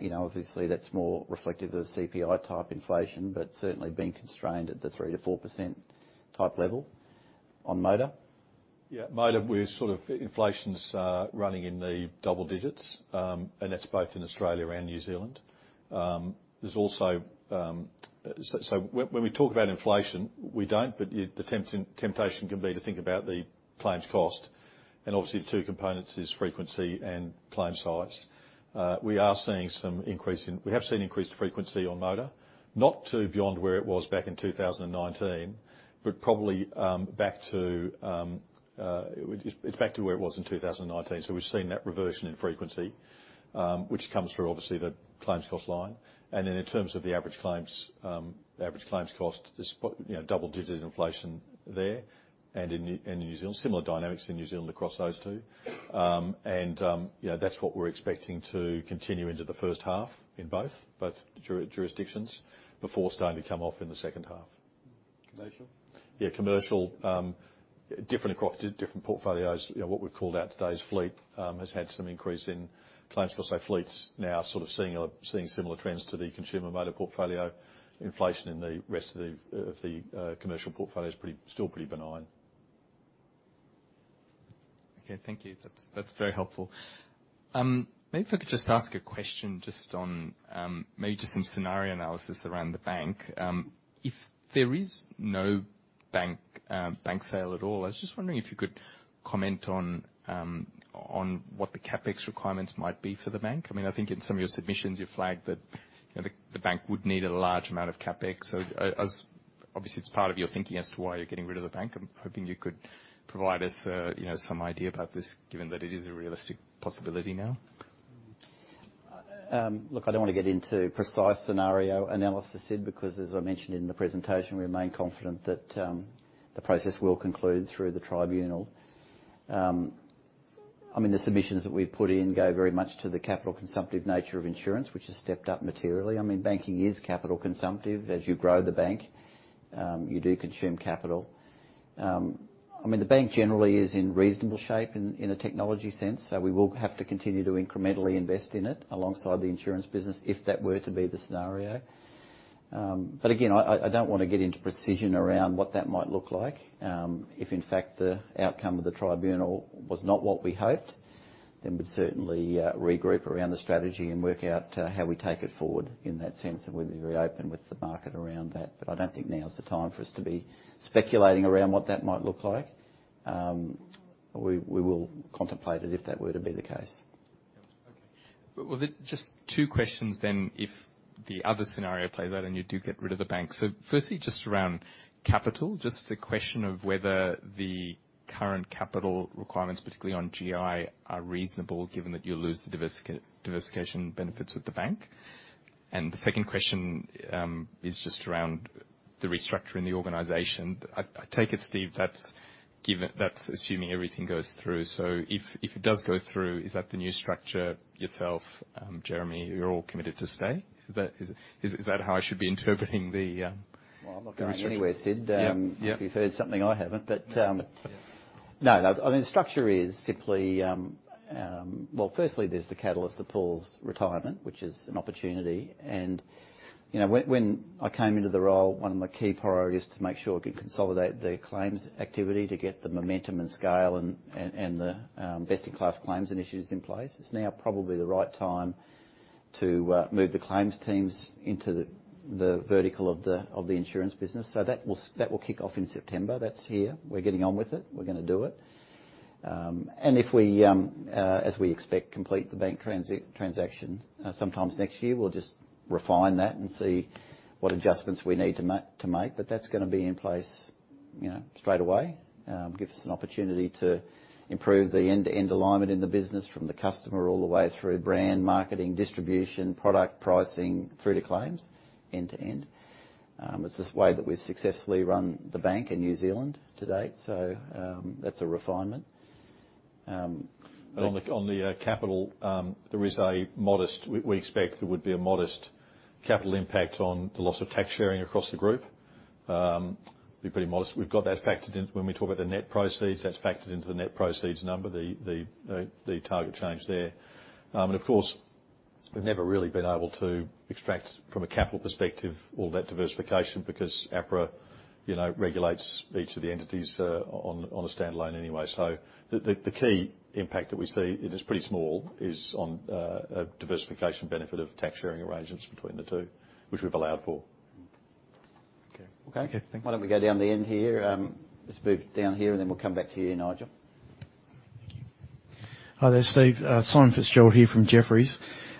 You know, obviously, that's more reflective of CPI type inflation, but certainly been constrained at the 3%-4% type level. On motor? Yeah, motor, we're sort of, inflation's running in the double-digits, and that's both in Australia and New Zealand. There's also. When we talk about inflation, we don't, but the temptation can be to think about the claims cost, and obviously, the two components is frequency and claim size. We are seeing some increase in. We have seen increased frequency on motor, not to beyond where it was back in 2019, but probably, back to, it's back to where it was in 2019. We've seen that reversion in frequency, which comes through, obviously, the claims cost line. In terms of the average claims, average claims cost, there's what, you know, double-digit inflation there and in New Zealand. Similar dynamics in New Zealand across those two. You know, that's what we're expecting to continue into the first half in both jurisdictions before starting to come off in the second half. Commercial? Yeah, commercial, different across different portfolios. You know, what we've called out today is fleet, has had some increase in claims. Because, say, fleets now sort of seeing similar trends to the consumer motor portfolio. Inflation in the rest of the commercial portfolio is pretty, still pretty benign. Okay, thank you. That's, that's very helpful. Maybe if I could just ask a question just on, maybe just some scenario analysis around the bank. If there is no bank, bank sale at all, I was just wondering if you could comment on what the CapEx requirements might be for the bank? I mean, I think in some of your submissions, you flagged that, you know, the bank would need a large amount of CapEx. As obviously, it's part of your thinking as to why you're getting rid of the bank, I'm hoping you could provide us, you know, some idea about this, given that it is a realistic possibility now. Look, I don't want to get into precise scenario analysis, Sid, because as I mentioned in the presentation, we remain confident that the process will conclude through the tribunal. I mean, the submissions that we've put in go very much to the capital-consumptive nature of insurance, which has stepped up materially. I mean, banking is capital-consumptive. As you grow the bank, you do consume capital. I mean, the bank generally is in reasonable shape in, in a technology sense, so we will have to continue to incrementally invest in it alongside the insurance business, if that were to be the scenario. Again, I don't want to get into precision around what that might look like. If in fact, the outcome of the tribunal was not what we hoped, then we'd certainly regroup around the strategy and work out how we take it forward in that sense, and we'd be very open with the market around that. But I don't think now is the time for us to be speculating around what that might look like. We, we will contemplate it if that were to be the case. Okay. Well, then, just two questions then if the other scenario plays out, and you do get rid of the bank. Firstly, just around capital, just a question of whether the current capital requirements, particularly on GI, are reasonable, given that you'll lose the diversification benefits with the bank? The second question is just around the restructuring the organization. I, I take it, Steve, that's assuming everything goes through. If, if it does go through, is that the new structure, yourself, Jeremy, you're all committed to stay? Is that, is that how I should be interpreting the? Well, I'm not going anywhere, Sid. Yeah. Yeah. If you've heard something, I haven't. No, no, I mean, structure is simply. Well, firstly, there's the catalyst of Paul's retirement, which is an opportunity, and, you know, when, when I came into the role, one of my key priorities to make sure we could consolidate the claims activity to get the momentum and scale and, and, and the Best-in-Class Claims and issues in place. It's now probably the right time to move the claims teams into the vertical of the insurance business. That will, that will kick off in September. That's here. We're getting on with it. We're going to do it. If we, as we expect, complete the bank transaction sometimes next year, we'll just refine that and see what adjustments we need to make. That's going to be in place, you know, straight away. Gives us an opportunity to improve the end-to-end alignment in the business from the customer all the way through brand, marketing, distribution, product pricing, through to claims, end to end. It's this way that we've successfully run the bank in New Zealand to date, so that's a refinement. On the, on the, capital, there is a modest. We, we expect there would be a modest capital impact on the loss of tax sharing across the group. Be pretty modest. We've got that factored in. When we talk about the net proceeds, that's factored into the net proceeds number, the, the, the, the target change there. Of course, we've never really been able to extract from a capital perspective, all that diversification, because APRA, you know, regulates each of the entities, on, on a standalone anyway. The, the, the key impact that we see, it is pretty small, is on a diversification benefit of tax sharing arrangements between the two, which we've allowed for. Okay. Okay. Thank you. Why don't we go down the end here? Let's move down here, and then we'll come back to you, Nigel. Thank you. Hi there, Steve. Simon Fitzgerald here from Jefferies.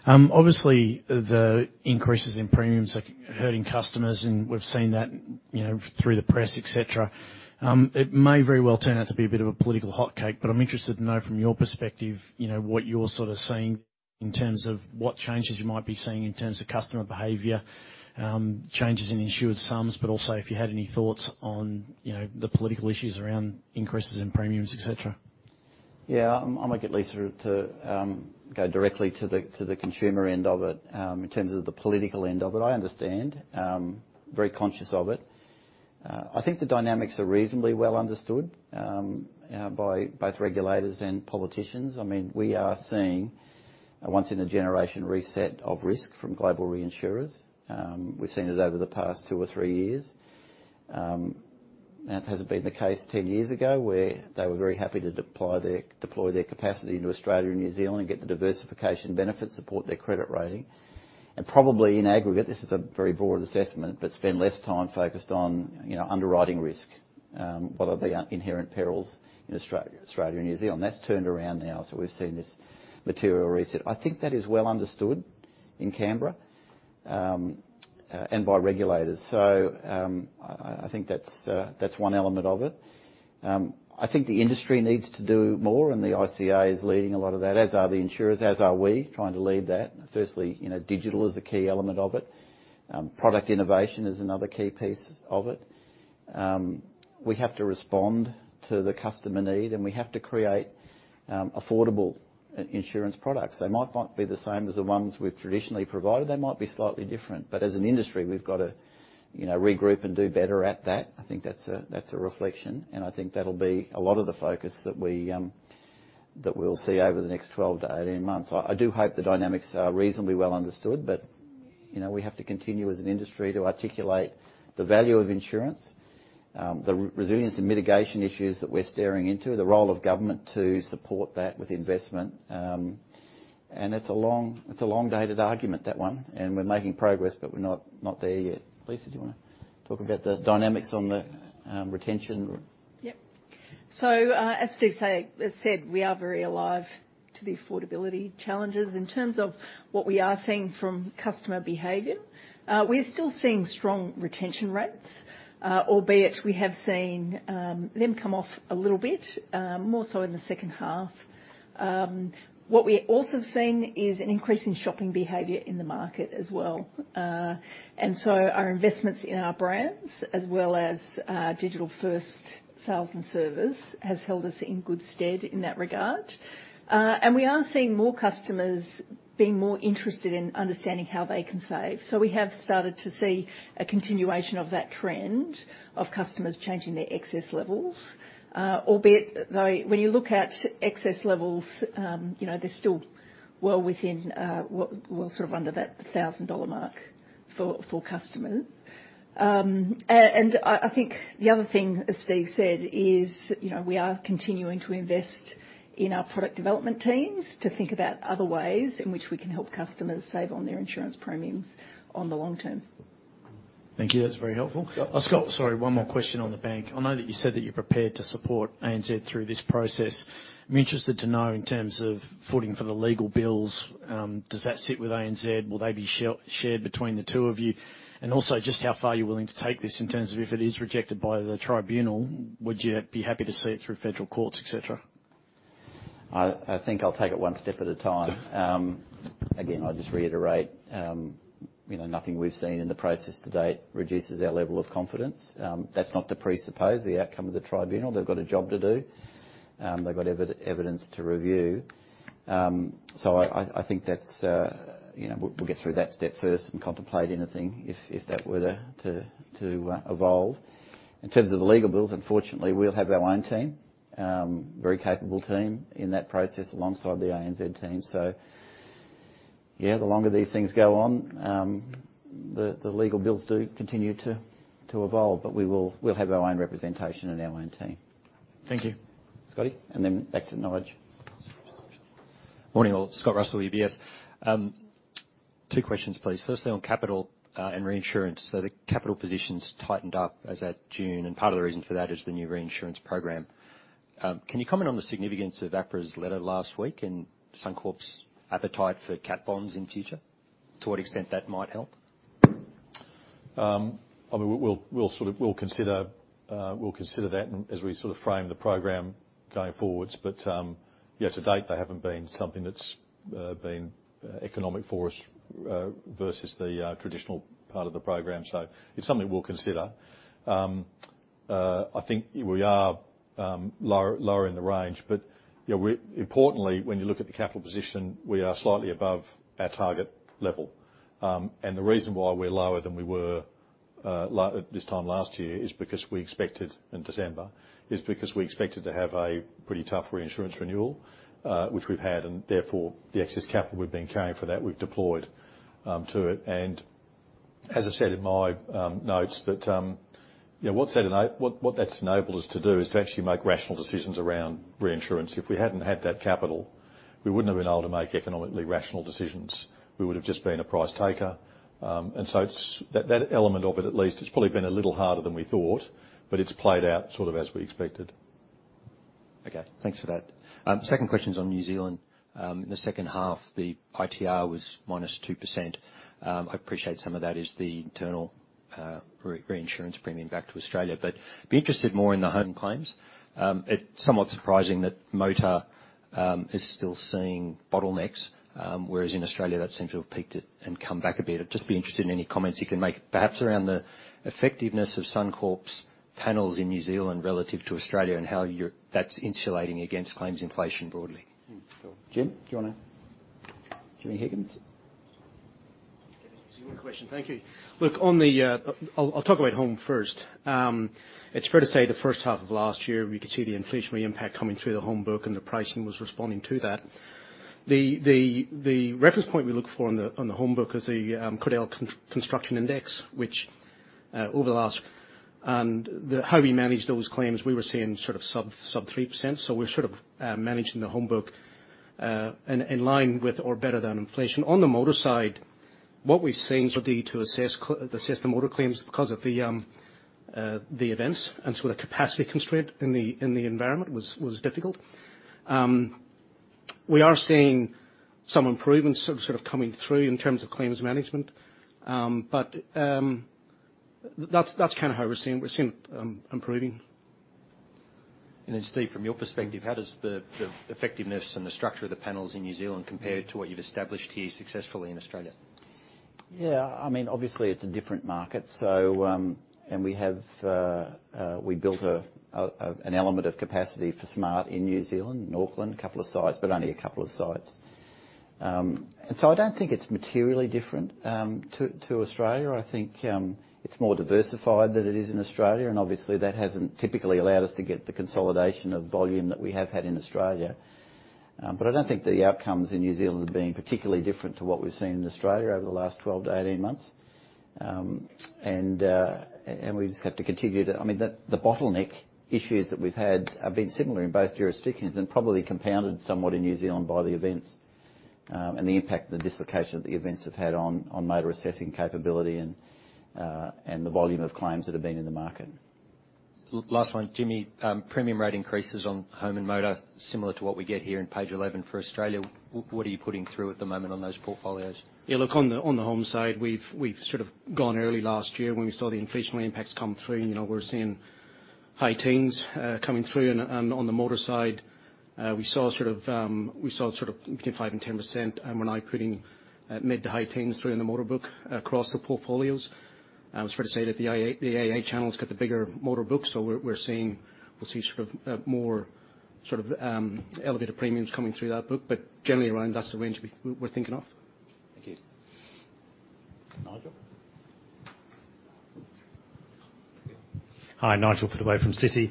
Obviously, the increases in premiums are hurting customers, and we've seen that, you know, through the press, et cetera. It may very well turn out to be a bit of a political hotcake, but I'm interested to know from your perspective, you know, what you're sort of seeing in terms of what changes you might be seeing in terms of customer behavior, changes in insured sums, but also if you had any thoughts on, you know, the political issues around increases in premiums, et cetera? Yeah, I, I might get Lisa to go directly to the, to the consumer end of it. In terms of the political end of it, I understand, very conscious of it. I think the dynamics are reasonably well understood by both regulators and politicians. I mean, we are seeing a once-in-a-generation reset of risk from global reinsurers. We've seen it over the past two or three years. It hasn't been the case 10 years ago, where they were very happy to deploy their, deploy their capacity into Australia and New Zealand and get the diversification benefits, support their credit rating. Probably in aggregate, this is a very broad assessment, but spend less time focused on, you know, underwriting risk, one of the inherent perils in Australia, Australia and New Zealand. That's turned around now, so we've seen this material reset. I think that is well understood in Canberra and by regulators. I think that's that's one element of it. I think the industry needs to do more, and the ICA is leading a lot of that, as are the insurers, as are we, trying to lead that. Firstly, you know, digital is a key element of it. Product innovation is another key piece of it. we have to respond to the customer need, and we have to create affordable insurance products. They might not be the same as the ones we've traditionally provided. They might be slightly different, but as an industry, we've got to, you know, regroup and do better at that. I think that's a, that's a reflection, and I think that'll be a lot of the focus that we that we'll see over the next 12 to 18 months. I, I do hope the dynamics are reasonably well understood, but, you know, we have to continue as an industry to articulate the value of insurance, the re- resilience and mitigation issues that we're staring into, the role of government to support that with investment. It's a long, it's a long-dated argument, that one, and we're making progress, but we're not, not there yet. Lisa, do you want to talk about the dynamics on the retention? Yep. As Steve say, said, we are very alive to the affordability challenges. In terms of what we are seeing from customer behavior, we're still seeing strong retention rates, albeit we have seen them come off a little bit, more so in the second half. What we're also seeing is an increase in shopping behavior in the market as well. Our investments in our brands, as well as digital-first sales and service, has held us in good stead in that regard. We are seeing more customers being more interested in understanding how they can save. We have started to see a continuation of that trend of customers changing their excess levels, albeit, though, when you look at excess levels, you know, they're still well within, what, well, sort of under that 1,000 dollar mark for, for customers. And I think the other thing, as Steve said, is, you know, we are continuing to invest in our product development teams to think about other ways in which we can help customers save on their insurance premiums on the long term. Thank you. That's very helpful. Scott? Scott, sorry, one more question on the bank. I know that you said that you're prepared to support ANZ through this process. I'm interested to know, in terms of footing for the legal bills, does that sit with ANZ? Will they be shared between the two of you? Also, just how far are you willing to take this in terms of if it is rejected by the Tribunal, would you be happy to see it through federal courts, et cetera? I, I think I'll take it one step at a time. Again, I'll just reiterate, you know, nothing we've seen in the process to date reduces our level of confidence. That's not to presuppose the outcome of the tribunal. They've got a job to do, they've got evidence to review. So, I think that's, you know, we'll, we'll get through that step first and contemplate anything if, if that were to, to, to evolve. In terms of the legal bills, unfortunately, we'll have our own team, very capable team in that process alongside the ANZ team. Yeah, the longer these things go on, the, the legal bills do continue to, to evolve, but we'll have our own representation and our own team. Thank you. Scotty, and then back to Knowledge. Morning, all. Scott Russell, UBS. Two questions, please. Firstly, on capital, and reinsurance. The capital positions tightened up as at June, and part of the reason for that is the new reinsurance program. Can you comment on the significance of APRA's letter last week and Suncorp's appetite for cat bonds in future? To what extent that might help? I mean, we'll, we'll consider, we'll consider that as we frame the program going forwards. Yeah, to date, they haven't been something that's been economic for us versus the traditional part of the program. It's something we'll consider. I think we are lower, lowering the range, you know. Importantly, when you look at the capital position, we are slightly above our target level. The reason why we're lower than we were this time last year is because we expected, in December, is because we expected to have a pretty tough reinsurance renewal, which we've had, and therefore, the excess capital we've been carrying for that, we've deployed to it. As I said in my notes that, you know, what's that what, what that's enabled us to do is to actually make rational decisions around reinsurance. If we hadn't had that capital, we wouldn't have been able to make economically rational decisions. We would have just been a price taker. And so it's, that, that element of it, at least, it's probably been a little harder than we thought, but it's played out sort of as we expected. Okay, thanks for that. Second question is on New Zealand. In the second half, the ITR was -2%. I appreciate some of that is the internal, re-reinsurance premium back to Australia, but I'd be interested more in the home claims. It's somewhat surprising that motor is still seeing bottlenecks, whereas in Australia, that seems to have peaked it and come back a bit. I'd just be interested in any comments you can make, perhaps around the effectiveness of Suncorp's panels in New Zealand relative to Australia and how you're- that's insulating against claims inflation broadly. Jim, do you want to? Jimmy Higgins? One question. Thank you. Look, on the, I'll talk about home first. It's fair to say, the first half of last year, we could see the inflationary impact coming through the home book, and the pricing was responding to that. The reference point we look for on the, on the home book is the, Cordell Construction Index, which, over the last... And the, how we managed those claims, we were seeing sort of sub, sub 3%, so we're sort of, managing the home book, in, in line with or better than inflation. On the motor side, what we've seen to assess the motor claims because of the, the events and so the capacity constraint in the, in the environment was, was difficult. We are seeing some improvements sort of coming through in terms of claims management. That's kind of how we're seeing. We're seeing it, improving. Then, Steve, from your perspective, how does the effectiveness and the structure of the panels in New Zealand compare to what you've established here successfully in Australia? Yeah, I mean, obviously, it's a different market, so, we have, we built a, an element of capacity for Smart in New Zealand, in Auckland. Two sites, but only two sites. I don't think it's materially different, to Australia. I think, it's more diversified than it is in Australia, and obviously, that hasn't typically allowed us to get the consolidation of volume that we have had in Australia. I don't think the outcomes in New Zealand have been particularly different to what we've seen in Australia over the last 12-18 months. Bottleneck issues that we've had have been similar in both jurisdictions and probably compounded somewhat in New Zealand by the events, and the impact and the dislocation that the events have had on, on motor assessing capability and the volume of claims that have been in the market. Last one, Jimmy. Premium rate increases on home and motor, similar to what we get here in page 11 for Australia. What are you putting through at the moment on those portfolios? Yeah, look, on the, on the home side, we've, we've sort of gone early last year when we saw the inflation impacts come through, and, you know, we're seeing high teens, coming through. On the motor side, we saw sort of, we saw sort of between 5% and 10%, and we're now putting mid to high teens through in the motor book across the portfolios. I'm afraid to say that the IA, the IA channel's got the bigger motor book, so we're, we're seeing - we'll see sort of, more sort of, elevated premiums coming through that book. Generally, Ryan, that's the range we, we're thinking of. Thank you. Nigel? Hi, Nigel Pittaway from Citi.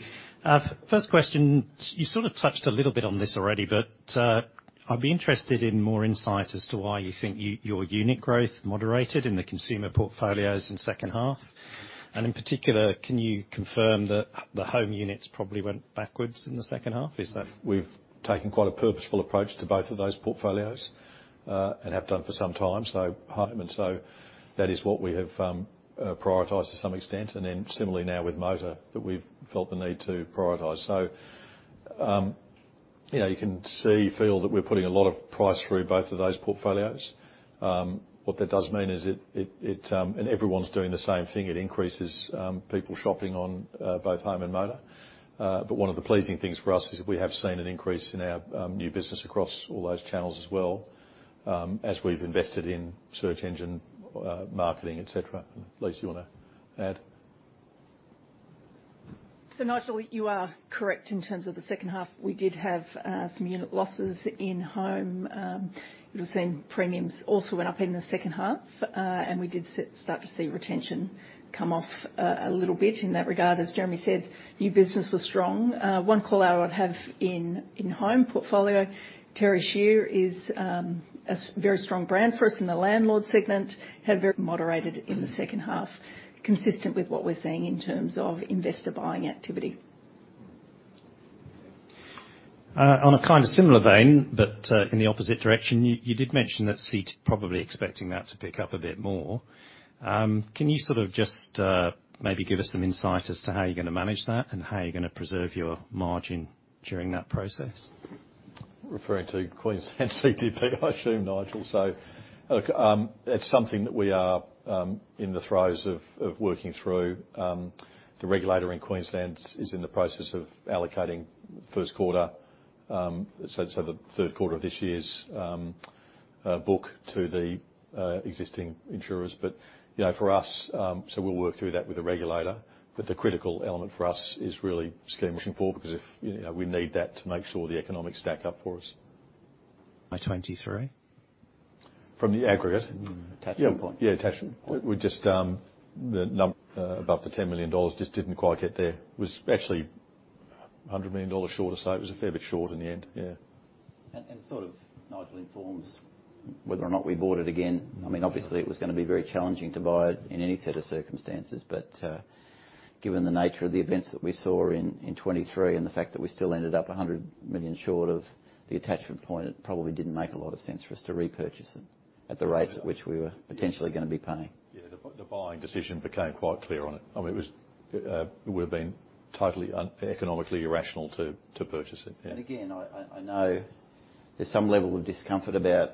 First question, you sort of touched a little bit on this already, but I'd be interested in more insight as to why you think your unit growth moderated in the consumer portfolios in second half. In particular, can you confirm that the home units probably went backwards in the second half? Is that- We've taken quite a purposeful approach to both of those portfolios, and have done for some time, so home, and so that is what we have prioritized to some extent, and then similarly now with motor, that we've felt the need to prioritize. You know, you can see, feel that we're putting a lot of price through both of those portfolios. What that does mean is it, it, it, and everyone's doing the same thing. It increases, people shopping on both home and motor. One of the pleasing things for us is we have seen an increase in our new business across all those channels as well, as we've invested in search engine marketing, et cetera. Lisa Harrison, you want to add? Nigel, you are correct in terms of the second half. We did have some unit losses in home. You'll have seen premiums also went up in the second half, and we did start to see retention come off a little bit in that regard. As Jeremy said, new business was strong. One call-out I would have in home portfolio, Terri Scheer is a very strong brand for us in the landlord segment, had very moderated in the second half, consistent with what we're seeing in terms of investor buying activity. On a kind of similar vein, but in the opposite direction, you, you did mention that CT, probably expecting that to pick up a bit more. Can you sort of just, maybe give us some insight as to how you're going to manage that, and how you're going to preserve your margin during that process? Referring to Queensland CTP, I assume, Nigel. Look, it's something that we are in the throes of working through. The regulator in Queensland is in the process of allocating first quarter, so the third quarter of this year's book to the existing insurers. You know, for us, we'll work through that with the regulator, but the critical element for us is really skirmishing forward, because if, you know, we need that to make sure the economics stack up for us. By 2023? From the aggregate. Attachment point. Yeah, attachment point. We're just above the 10 million dollars just didn't quite get there. It was actually 100 million dollars short. It was a fair bit short in the end, yeah. Sort of, Nigel, informs whether or not we bought it again. I mean, obviously, it was going to be very challenging to buy it in any set of circumstances, but, given the nature of the events that we saw in, in 2023, and the fact that we still ended up 100 million short of the attachment point, it probably didn't make a lot of sense for us to repurchase it at the rates at which we were potentially going to be paying. Yeah, the buying decision became quite clear on it. I mean, it was uneconomically irrational to purchase it, yeah. Again, I know there's some level of discomfort about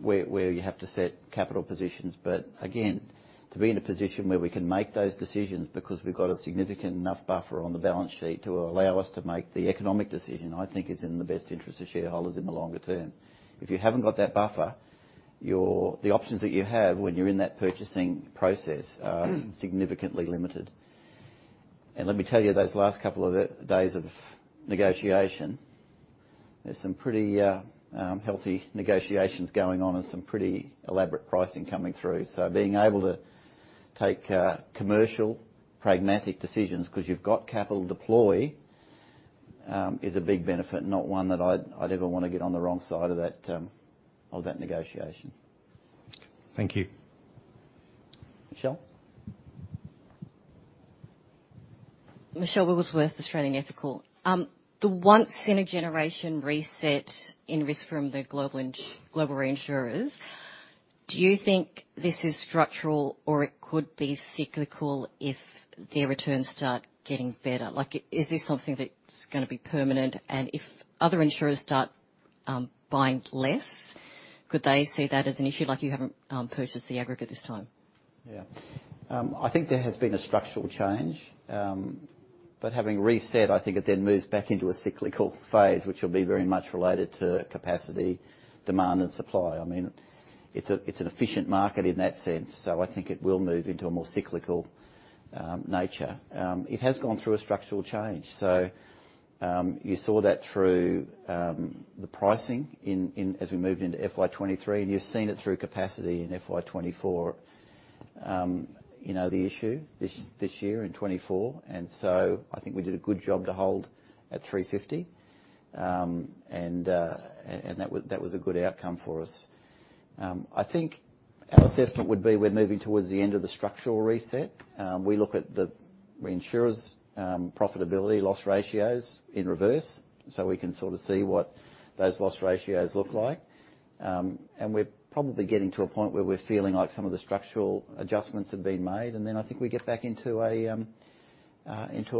where, where you have to set capital positions, but again, to be in a position where we can make those decisions because we've got a significant enough buffer on the balance sheet to allow us to make the economic decision, I think is in the best interest of shareholders in the longer term. If you haven't got that buffer, your, the options that you have when you're in that purchasing process are significantly limited. Let me tell you, those last two days of negotiation, there's some pretty healthy negotiations going on and some pretty elaborate pricing coming through. Being able to take, commercial, pragmatic decisions because you've got capital to deploy, is a big benefit, not one that I'd, I'd ever want to get on the wrong side of that, of that negotiation. Thank you. Michelle? The once in a generation reset in risk from the global reinsurers, do you think this is structural, or it could be cyclical if their returns start getting better? Like, is this something that's going to be permanent, and if other insurers start buying less- Could they see that as an issue, like you haven't, purchased the aggregate this time? Yeah. I think there has been a structural change, having reset, I think it then moves back into a cyclical phase, which will be very much related to capacity, demand, and supply. I mean, it's a, it's an efficient market in that sense, I think it will move into a more cyclical nature. It has gone through a structural change. You saw that through the pricing in, in, as we moved into FY 2023, you've seen it through capacity in FY 2024. You know, the issue this, this year in 2024, I think we did a good job to hold at 350. And that was, that was a good outcome for us. I think our assessment would be we're moving towards the end of the structural reset. We look at the reinsurers profitability loss ratios in reverse, so we can sort of see what those loss ratios look like. We're probably getting to a point where we're feeling like some of the structural adjustments have been made, and then I think we get back into a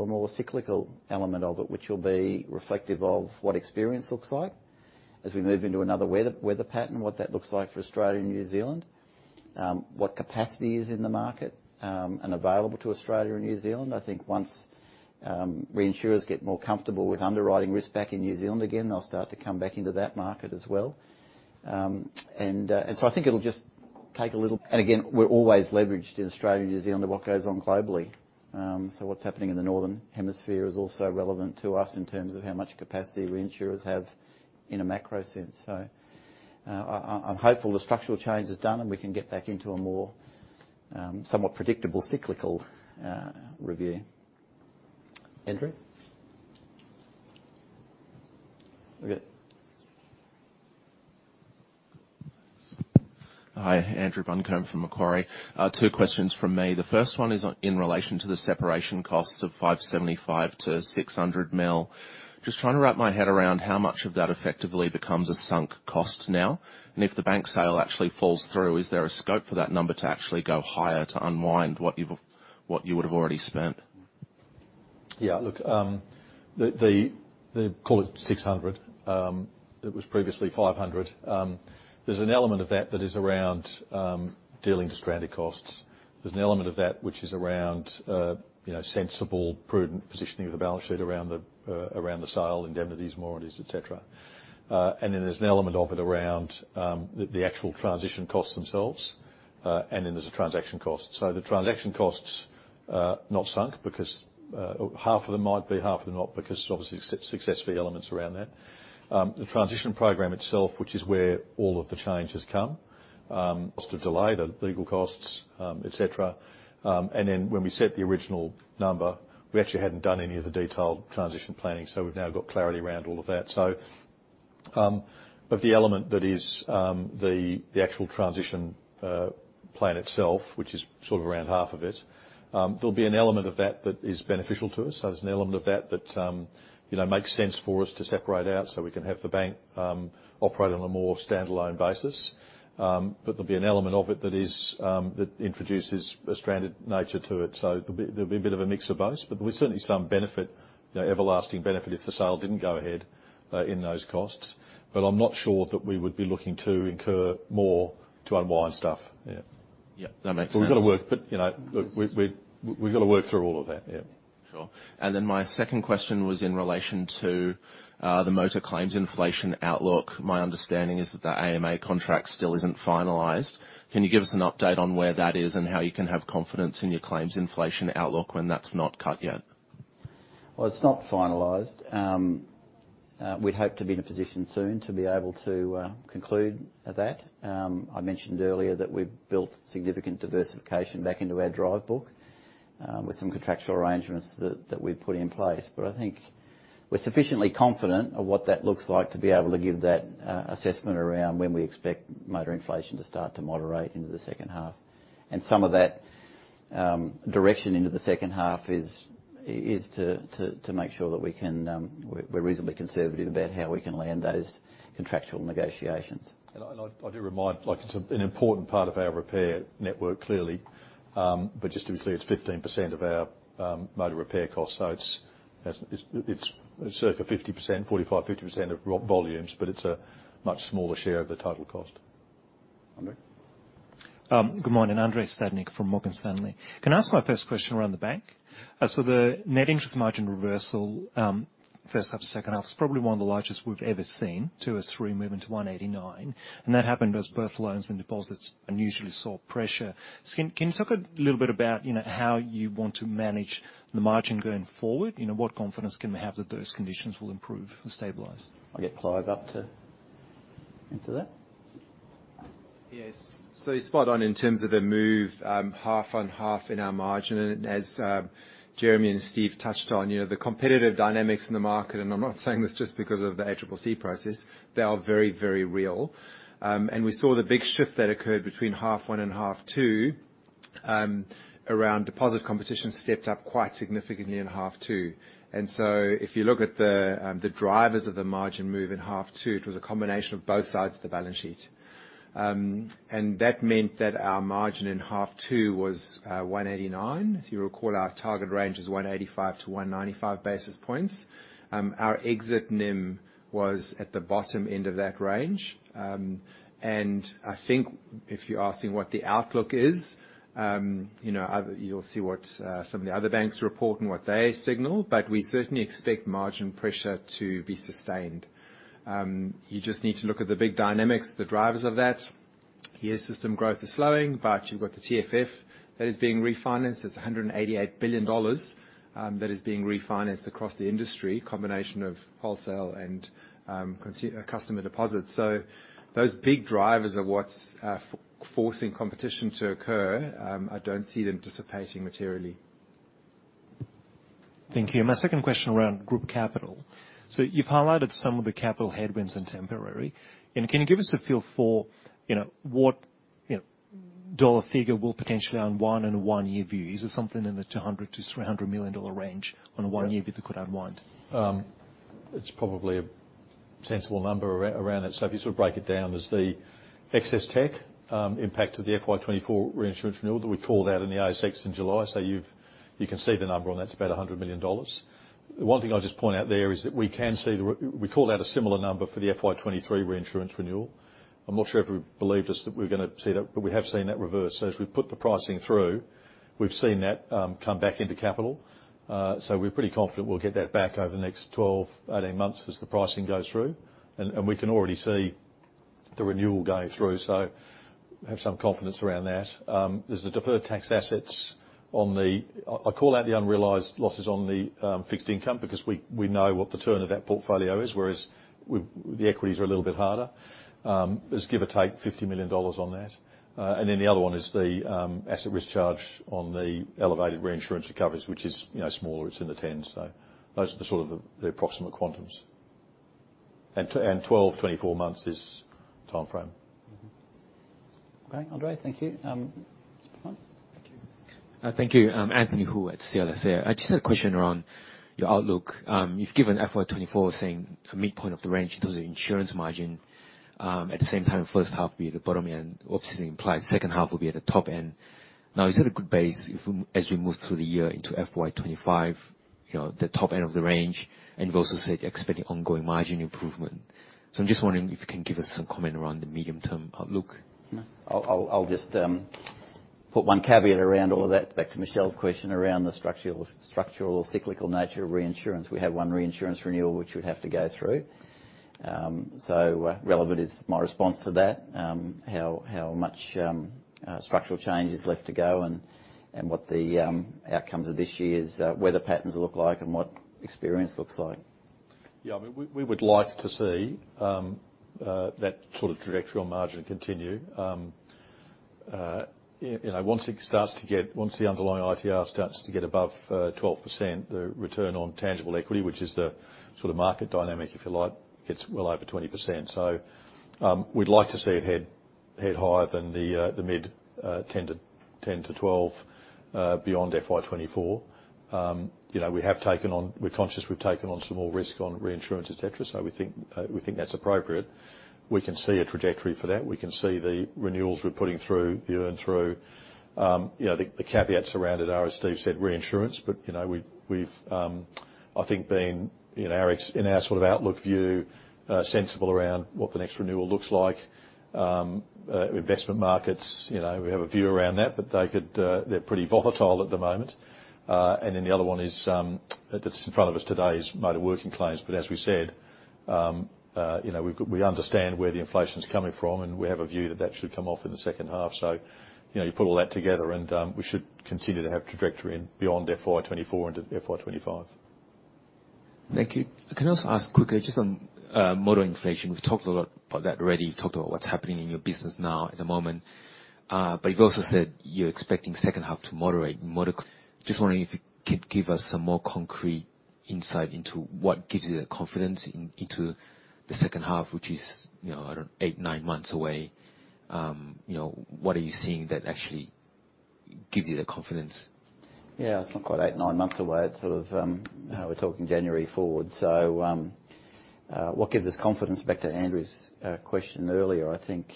more cyclical element of it, which will be reflective of what experience looks like as we move into another weather, weather pattern, what that looks like for Australia and New Zealand. What capacity is in the market and available to Australia and New Zealand. I think once reinsurers get more comfortable with underwriting risk back in New Zealand again, they'll start to come back into that market as well. So I think it'll just take a little... Again, we're always leveraged in Australia and New Zealand of what goes on globally. What's happening in the Northern Hemisphere is also relevant to us in terms of how much capacity reinsurers have in a macro sense. I'm hopeful the structural change is done, and we can get back into a more, somewhat predictable cyclical, review. Andrew? Okay. Hi, Andrew Buncombe from Macquarie. Two questions from me. The first one is on, in relation to the separation costs of 575-600 mil. Just trying to wrap my head around how much of that effectively becomes a sunk cost now, and if the bank sale actually falls through, is there a scope for that number to actually go higher to unwind what you've, what you would have already spent? Yeah, look, the, the, call it 600, it was previously 500. There's an element of that that is around dealing with stranded costs. There's an element of that which is around, you know, sensible, prudent positioning of the balance sheet around the sale, indemnities, warranties, et cetera. Then there's an element of it around the, the actual transition costs themselves, and then there's the transaction costs. The transaction costs not sunk because half of them might be, half of them not, because there's obviously success fee elements around that. The transition program itself, which is where all of the changes come, cost of delay, the legal costs, et cetera. Then when we set the original number, we actually hadn't done any of the detailed transition planning, so we've now got clarity around all of that. The element that is the actual transition plan itself, which is sort of around half of it, there'll be an element of that that is beneficial to us. There's an element of that that, you know, makes sense for us to separate out so we can have the bank operate on a more standalone basis. There'll be an element of it that is that introduces a stranded nature to it. There'll be, there'll be a bit of a mix of both, but there'll be certainly some benefit, you know, everlasting benefit if the sale didn't go ahead, in those costs, but I'm not sure that we would be looking to incur more to unwind stuff. Yeah. Yeah, that makes sense. We've got to work, but, you know, we've got to work through all of that. Yeah. Sure. Then my second question was in relation to the motor claims inflation outlook. My understanding is that the AMA contract still isn't finalized. Can you give us an update on where that is and how you can have confidence in your claims inflation outlook when that's not cut yet? Well, it's not finalized. We'd hope to be in a position soon to be able to conclude that. I mentioned earlier that we've built significant diversification back into our drive book, with some contractual arrangements that, that we've put in place. I think we're sufficiently confident of what that looks like to be able to give that assessment around when we expect motor inflation to start to moderate into the second half. Some of that direction into the second half is, is to, to, to make sure that we can, we're, we're reasonably conservative about how we can land those contractual negotiations. I do remind, like, it's an important part of our repair network, clearly. But just to be clear, it's 15% of our motor repair costs, so it's, it's, it's circa 50%, 45%-50% of volumes, but it's a much smaller share of the total cost. Andre? Good morning, Andrei Stadnik from Morgan Stanley. Can I ask my first question around the bank? The net interest margin reversal, first half to second half, is probably one of the largest we've ever seen, 203 moving to 189, that happened as both loans and deposits unusually saw pressure. Can you talk a little bit about, you know, how you want to manage the margin going forward? You know, what confidence can we have that those conditions will improve and stabilize? I'll get Clive up to answer that. Yes. You're spot on in terms of a move, half on half in our margin, and as Jeremy and Steve touched on, you know, the competitive dynamics in the market, and I'm not saying this just because of the ACCC prices, they are very, very real. We saw the big shift that occurred between half one and half two. around deposit competition stepped up quite significantly in half two. So if you look at the drivers of the margin move in half two, it was a combination of both sides of the balance sheet. That meant that our margin in half two was 189. If you recall, our target range is 185-195 basis points. Our exit NIM was at the bottom end of that range. I think if you're asking what the outlook is, you know, you'll see what some of the other banks report and what they signal, but we certainly expect margin pressure to be sustained. You just need to look at the big dynamics, the drivers of that. Year system growth is slowing, you've got the TFF that is being refinanced. It's 188 billion dollars that is being refinanced across the industry, combination of wholesale and customer deposits. Those big drivers are what's forcing competition to occur. I don't see them dissipating materially. Thank you. My second question around group capital. You've highlighted some of the capital headwinds and temporary, and can you give us a feel for, you know, what, you know, dollar figure will potentially unwind in a one-year view? Is it something in the 200 million-300 million dollar range on a one-year view that could unwind? It's probably a sensible number around that. So if you sort of break it down, there's the Excess Tech impact to the FY 2024 reinsurance renewal that we called out in the ASX in July. So you can see the number on that, it's about 100 million dollars. One thing I'll just point out there is that we can see the We called out a similar number for the FY 2023 reinsurance renewal. I'm not sure if everybody believed us that we were going to see that, but we have seen that reverse. So as we put the pricing through, we've seen that come back into capital. So we're pretty confident we'll get that back over the next 12, 18 months as the pricing goes through, and, and we can already see the renewal going through, so have some confidence around that. There's the deferred tax assets on the. I call out the unrealized losses on the fixed income, because we, we know what the turn of that portfolio is, whereas the equities are a little bit harder. There's give or take 50 million dollars on that. And then the other one is the asset risk charge on the elevated reinsurance recoveries, which is, you know, smaller, it's in the AUD tens. Those are the sort of the, the approximate quantums. 12-24 months is timeframe. Okay, Andre, thank you. go on. Thank you. Thank you. I'm Anthony Hoo at CLSA. I just had a question around your outlook. You've given FY 2024, saying a midpoint of the range to the insurance margin. At the same time, first half be at the bottom end, obviously implies second half will be at the top end. Is that a good base if as we move through the year into FY 2025, you know, the top end of the range, and you've also said you're expecting ongoing margin improvement. I'm just wondering if you can give us some comment around the medium-term outlook. I'll just put one caveat around all of that, back to Michelle's question around the structural, structural cyclical nature of reinsurance. We have one reinsurance renewal, which we'd have to go through. Relevant is my response to that, how, how much structural change is left to go and, and what the outcomes of this year's weather patterns look like and what experience looks like. Yeah, I mean, we, we would like to see, that sort of trajectory on margin continue. You know, once the underlying ITR starts to get above, 12%, the return on tangible equity, which is the sort of market dynamic, if you like, gets well over 20%. We'd like to see it head, head higher than the, the mid, 10-12, beyond FY 2024. You know, we have taken on we're conscious, we've taken on some more risk on reinsurance, et cetera, we think, we think that's appropriate. We can see a trajectory for that. We can see the renewals we're putting through, the earn through. You know, the, the caveats around it are, as Steve said, reinsurance, but, you know, we've, we've, I think been, in our in our sort of outlook view, sensible around what the next renewal looks like. Investment markets, you know, we have a view around that, but they could, they're pretty volatile at the moment. Then the other one is, that's in front of us today is motor working claims. As we said, you know, we, we understand where the inflation is coming from, and we have a view that that should come off in the second half. You know, you put all that together, and, we should continue to have trajectory in beyond FY24 and into FY25. Thank you. Can I also ask quickly, just on model inflation, we've talked a lot about that already. Talked about what's happening in your business now at the moment. You've also said you're expecting second half to moderate. Just wondering if you could give us some more concrete insight into what gives you the confidence into the second half, which is, you know, I don't know, eight, nine months away. You know, what are you seeing that actually gives you the confidence? Yeah, it's not quite eight, nine months away. It's sort of, how we're talking January forward. What gives us confidence, back to Andrew's question earlier, I think,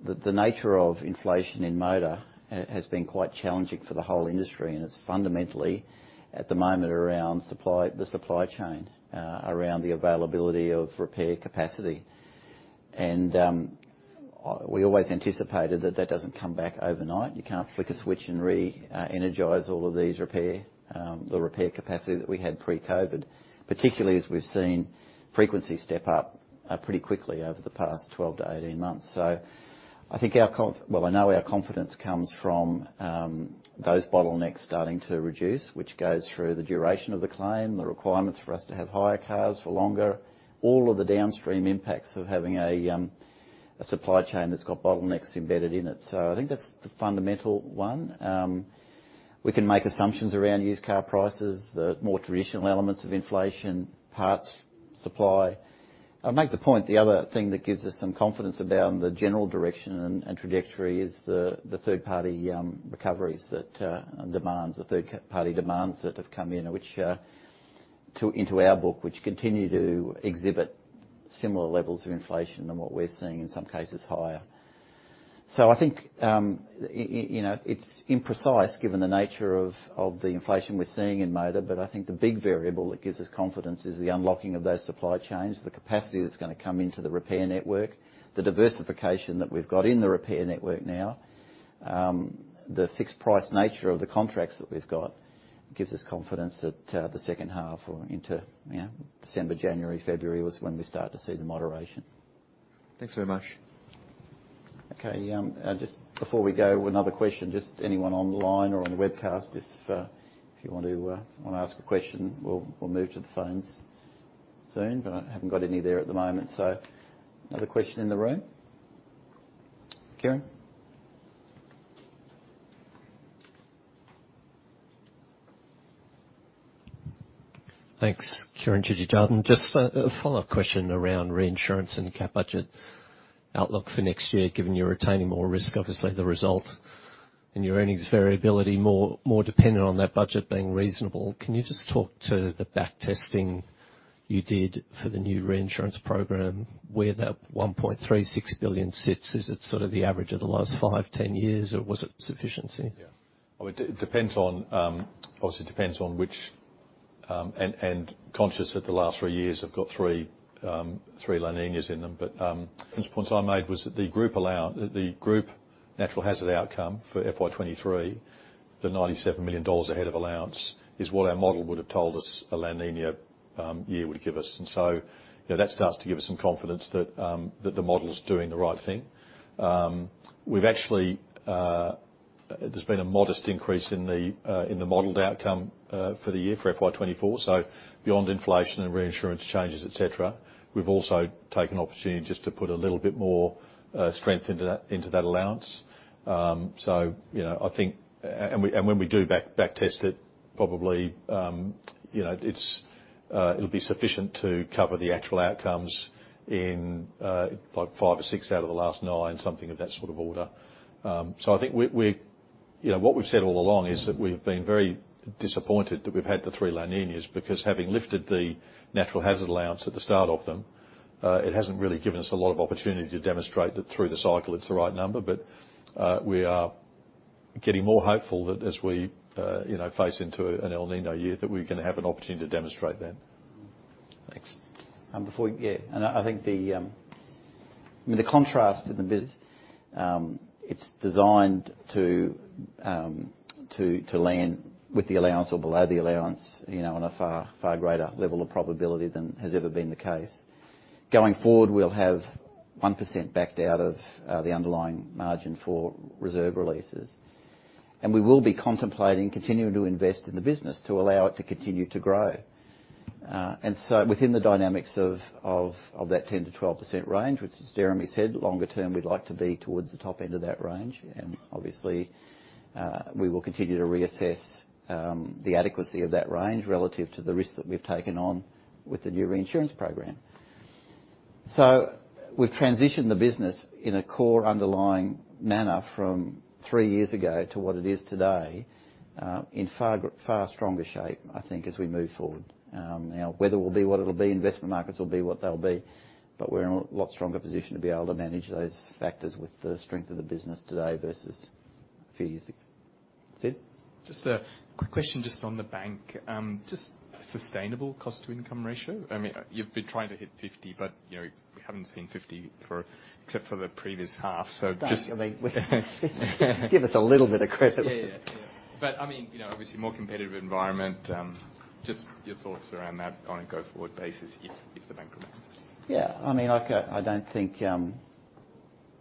the, the nature of inflation in motor has been quite challenging for the whole industry, and it's fundamentally, at the moment, around supply, the supply chain, around the availability of repair capacity. We always anticipated that that doesn't come back overnight. You can't flick a switch and re, energize all of these repair, the repair capacity that we had pre-COVID, particularly as we've seen frequency step up, pretty quickly over the past 12-18 months. I think our well, I know our confidence comes from those bottlenecks starting to reduce, which goes through the duration of the claim, the requirements for us to have hire cars for longer, all of the downstream impacts of having a supply chain that's got bottlenecks embedded in it. I think that's the fundamental one. We can make assumptions around used car prices, the more traditional elements of inflation, parts, supply. I'll make the point, the other thing that gives us some confidence about the general direction and, and trajectory is the, the third party recoveries that demands, the third party demands that have come in, which into our book, which continue to exhibit similar levels of inflation than what we're seeing, in some cases higher. I think, you know, it's imprecise, given the nature of, of the inflation we're seeing in motor, but I think the big variable that gives us confidence is the unlocking of those supply chains, the capacity that's going to come into the repair network, the diversification that we've got in the repair network now. The fixed price nature of the contracts that we've got gives us confidence that the second half or into, you know, December, January, February was when we start to see the moderation. Thanks very much. Okay, just before we go, another question, just anyone online or on the webcast, if you want to, want to ask a question, we'll, we'll move to the phones soon, but I haven't got any there at the moment. Another question in the room? Kieran? Thanks. Kieren Chidgey, Jarden. Just a, a follow-up question around reinsurance and cat budget outlook for next year, given you're retaining more risk, obviously, the result and your earnings variability more, more dependent on that budget being reasonable. Can you just talk to the back testing you did for the new reinsurance program, where that 1.36 billion sits? Is it sort of the average of the last five 10 years, or was it sufficiency? Yeah. Well, it, it depends on, obviously, it depends on which, and conscious that the last three years have got three La Niñas in them. The points I made was that the group allow- the group natural hazard outcome for FY 2023, the AUD 97 million ahead of allowance, is what our model would have told us a La Niña year would give us. You know, that starts to give us some confidence that the model is doing the right thing. We've actually, There's been a modest increase in the, in the modeled outcome, for the year, for FY 2024. Beyond inflation and reinsurance changes, et cetera, we've also taken opportunity just to put a little bit more strength into that, into that allowance. You know, I think, and we, and when we do back, back test it, probably, you know, it's, it'll be sufficient to cover the actual outcomes in like five or six out of the last nine, something of that sort of order. I think we, we, you know, what we've said all along is that we've been very disappointed that we've had the three La Niñas, because having lifted the natural hazard allowance at the start of them, it hasn't really given us a lot of opportunity to demonstrate that through the cycle, it's the right number. We are getting more hopeful that as we, you know, face into an El Niño year, that we're going to have an opportunity to demonstrate that. Thanks. Before we get... I think the, I mean, the contrast in the business, it's designed to, to, to land with the allowance or below the allowance, you know, on a far, far greater level of probability than has ever been the case. Going forward, we'll have 1% backed out of the underlying margin for reserve releases. We will be contemplating continuing to invest in the business to allow it to continue to grow. Within the dynamics of that 10%-12% range, which as Jeremy said, longer term, we'd like to be towards the top end of that range. Obviously, we will continue to reassess the adequacy of that range relative to the risk that we've taken on with the new reinsurance program. We've transitioned the business in a core underlying manner from three years ago to what it is today, in far far stronger shape, I think, as we move forward. Now, weather will be what it'll be, investment markets will be what they'll be, but we're in a lot stronger position to be able to manage those factors with the strength of the business today versus a few years ago. Sid? Just a quick question just on the bank. Just sustainable cost to income ratio. I mean, you've been trying to hit 50, but, you know, we haven't seen 50 except for the previous half. Give us a little bit of credit. Yeah, yeah. I mean, you know, obviously more competitive environment, just your thoughts around that on a go-forward basis, if, if the bank remains. Yeah, I mean, like, I don't think,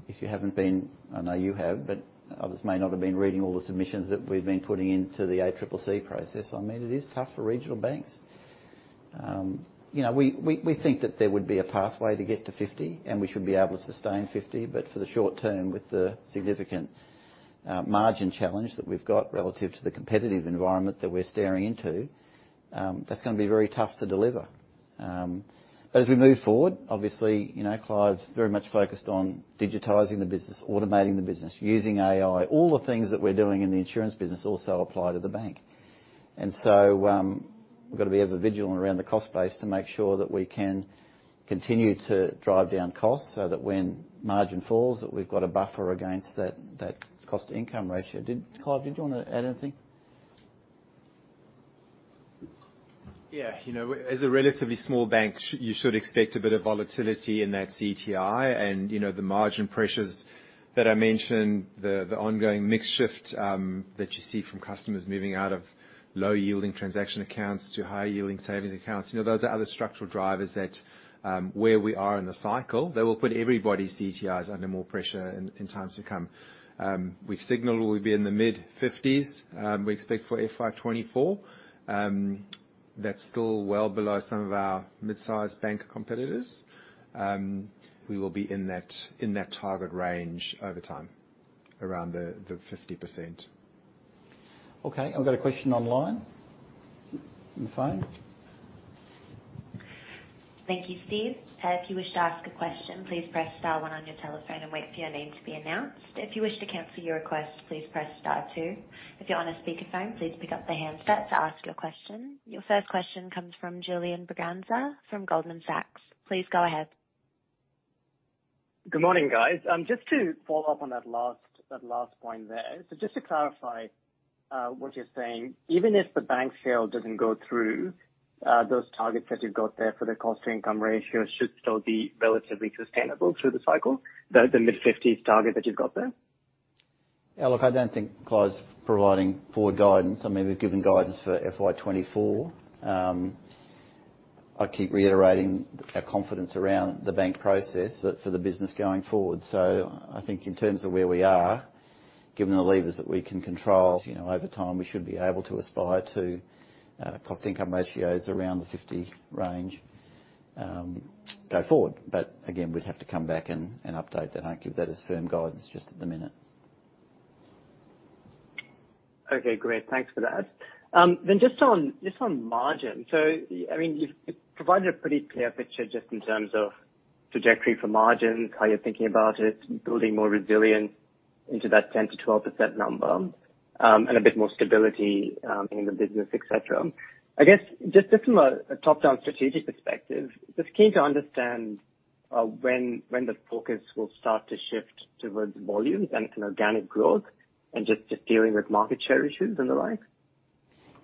if you haven't been, I know you have, but others may not have been reading all the submissions that we've been putting into the ACCC process. I mean, it is tough for regional banks. You know, we, we, we think that there would be a pathway to get to 50, and we should be able to sustain 50, but for the short term, with the significant margin challenge that we've got relative to the competitive environment that we're staring into, that's going to be very tough to deliver. But as we move forward, obviously, you know, Clive's very much focused on digitizing the business, automating the business, using AI. All the things that we're doing in the insurance business also apply to the bank. So, we've got to be ever vigilant around the cost base to make sure that we can continue to drive down costs so that when margin falls, that we've got a buffer against that, that cost income ratio. Did, Clive, did you want to add anything? Yeah, you know, as a relatively small bank, you should expect a bit of volatility in that CTI and, you know, the margin pressures that I mentioned, the ongoing mix shift that you see from customers moving out of low-yielding transaction accounts to high-yielding savings accounts. You know, those are other structural drivers that, where we are in the cycle, they will put everybody's CTIs under more pressure in, in times to come. We've signaled we'll be in the mid-50s, we expect for FY 2024. That's still well below some of our mid-sized bank competitors. We will be in that, in that target range over time, around the 50%. Okay, I've got a question online, on the phone. Thank you, Steve. If you wish to ask a question, please press star one on your telephone and wait for your name to be announced. If you wish to cancel your request, please press star two. If you're on a speakerphone, please pick up the handset to ask your question. Your first question comes from Julian Braganza from Goldman Sachs. Please go ahead. Good morning, guys. Just to follow up on that last, that last point there. Just to clarify, what you're saying, even if the bank sale doesn't go through, those targets that you've got there for the cost-to-income ratio should still be relatively sustainable through the cycle, the mid-50s target that you've got there? Yeah, look, I don't think Clive's providing forward guidance. I mean, we've given guidance for FY 2024. I keep reiterating our confidence around the bank process that for the business going forward. I think in terms of where we are, given the levers that we can control, you know, over time, we should be able to aspire to cost-income ratios around the 50 range, go forward. Again, we'd have to come back and, and update that. I won't give that as firm guidance just at the minute. Okay, great. Thanks for that. Just on, just on margin. I mean, you've provided a pretty clear picture just in terms of trajectory for margins, how you're thinking about it, building more resilience into that 10%-12% number, and a bit more stability in the business, et cetera. I guess, just from a, a top-down strategic perspective, just keen to understand when, when the focus will start to shift towards volumes and, and organic growth and just, just dealing with market share issues and the like?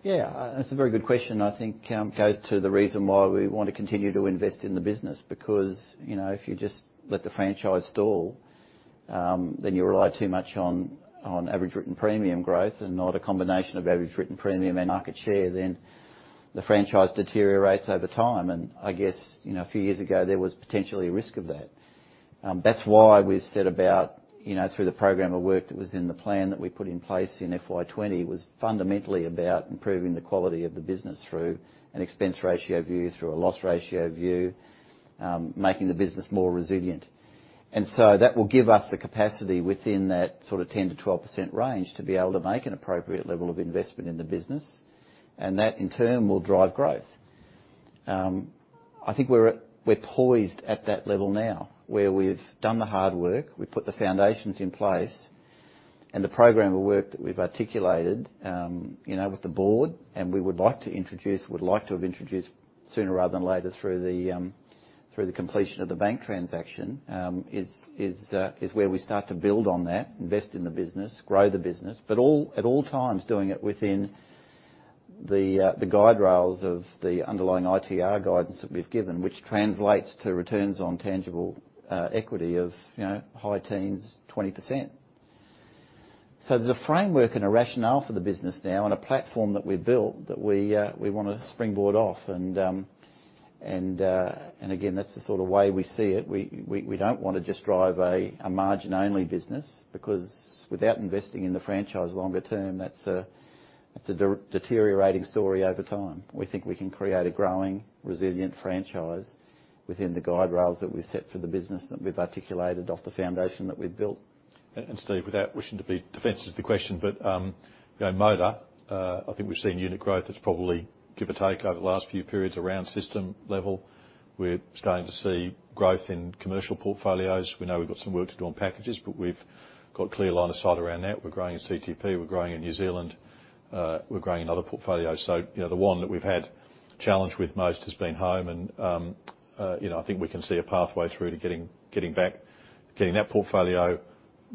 Yeah, that's a very good question, and I think, goes to the reason why we want to continue to invest in the business, because, you know, if you just let the franchise stall, then you rely too much on, on average written premium growth and not a combination of average written premium and market share, then the franchise deteriorates over time. I guess, you know, a few years ago there was potentially a risk of that. That's why we've set about, you know, through the program of work that was in the plan that we put in place in FY 20, was fundamentally about improving the quality of the business through an expense ratio view, through a loss ratio view, making the business more resilient. So that will give us the capacity within that sort of 10%-12% range to be able to make an appropriate level of investment in the business, and that, in turn, will drive growth. I think we're poised at that level now, where we've done the hard work, we've put the foundations in place. The program of work that we've articulated, you know, with the board, we would like to introduce- would like to have introduced sooner rather than later through the through the completion of the bank transaction, is where we start to build on that, invest in the business, grow the business, but at all times, doing it within the guide rails of the underlying ITR guidance that we've given, which translates to returns on tangible equity of, you know, high teens, 20%. There's a framework and a rationale for the business now on a platform that we built, that we want to springboard off. Again, that's the sort of way we see it. We don't want to just drive a margin-only business, because without investing in the franchise longer term, that's a, that's a deteriorating story over time. We think we can create a growing, resilient franchise within the guide rails that we set for the business, that we've articulated off the foundation that we've built. Steve, without wishing to be defensive to the question, but, you know, motor, I think we've seen unit growth that's probably give or take over the last few periods around system level. We're starting to see growth in commercial portfolios. We know we've got some work to do on packages, but we've got clear line of sight around that. We're growing in CTP, we're growing in New Zealand, we're growing in other portfolios. You know, the one that we've had challenge with most has been home, and, you know, I think we can see a pathway through to getting that portfolio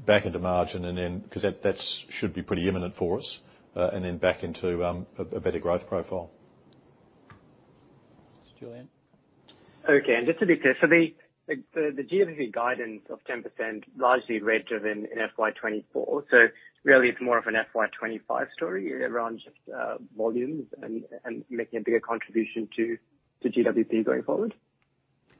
back into margin, and then, 'cause that, that's should be pretty imminent for us, and then back into a better growth profile. Julian? Okay, just to be clear, the GWP guidance of 10% largely red driven in FY 2024, really it's more of an FY 2025 story around just volumes and making a bigger contribution to GWP going forward?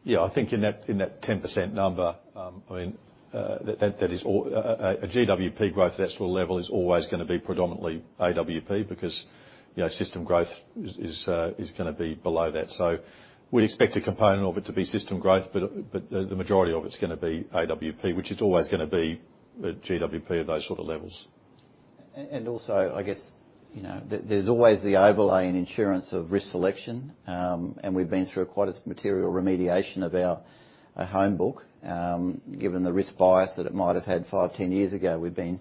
I think in that, in that 10% number, I mean, that, that is all, a GWP growth to that sort of level is always going to be predominantly AWP, because, you know, system growth is, is, going to be below that. We'd expect a component of it to be system growth, but, but the majority of it's going to be AWP, which is always going to be a GWP of those sort of levels. Also, I guess, you know, there, there's always the overlay in insurance of risk selection, and we've been through quite a material remediation of our, our home book. Given the risk bias that it might have had five, 10 years ago, we've been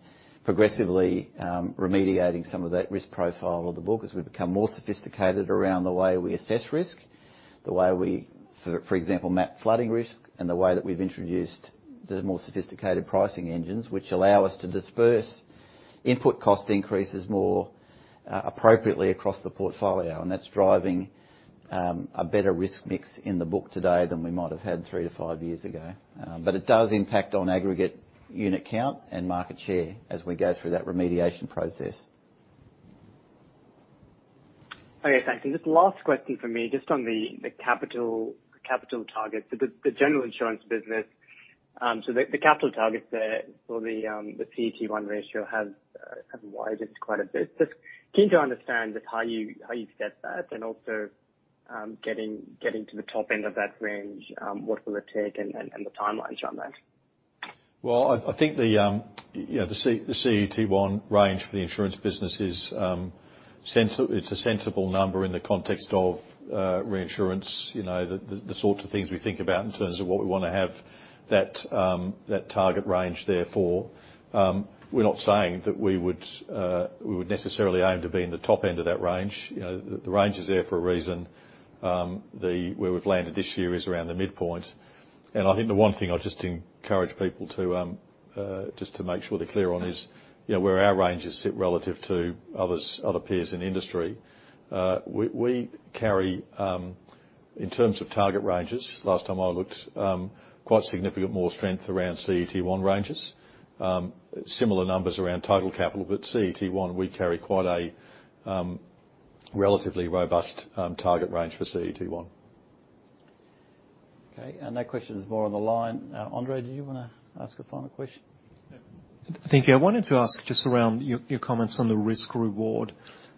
progressively remediating some of that risk profile of the book as we become more sophisticated around the way we assess risk, the way we, for, for example, map flooding risk, and the way that we've introduced the more sophisticated pricing engines, which allow us to disperse input cost increases more appropriately across the portfolio. That's driving a better risk mix in the book today than we might have had three to five years ago. It does impact on aggregate unit count and market share as we go through that remediation process. Okay, thanks. Just last question for me, just on the capital target, the general insurance business. The capital targets there for the CET1 ratio has widened quite a bit. Just keen to understand just how you've get that, and also, getting to the top end of that range, what will it take and the timelines on that? I think the, you know, the CET1 range for the insurance business is, it's a sensible number in the context of reinsurance. You know, the sorts of things we think about in terms of what we want to have that target range there for. We're not saying that we would necessarily aim to be in the top end of that range. You know, the range is there for a reason. Where we've landed this year is around the midpoint, and I think the one thing I just encourage people to just to make sure they're clear on is, you know, where our ranges sit relative to others, other peers in the industry. We, we carry, in terms of target ranges, last time I looked, quite significant more strength around CET1 ranges. Similar numbers around total capital, but CET1, we carry quite a relatively robust target range for CET1. Okay, that question is more on the line. Andrei, do you want to ask a final question? Thank you. I wanted to ask just around your, your comments on the risk reward,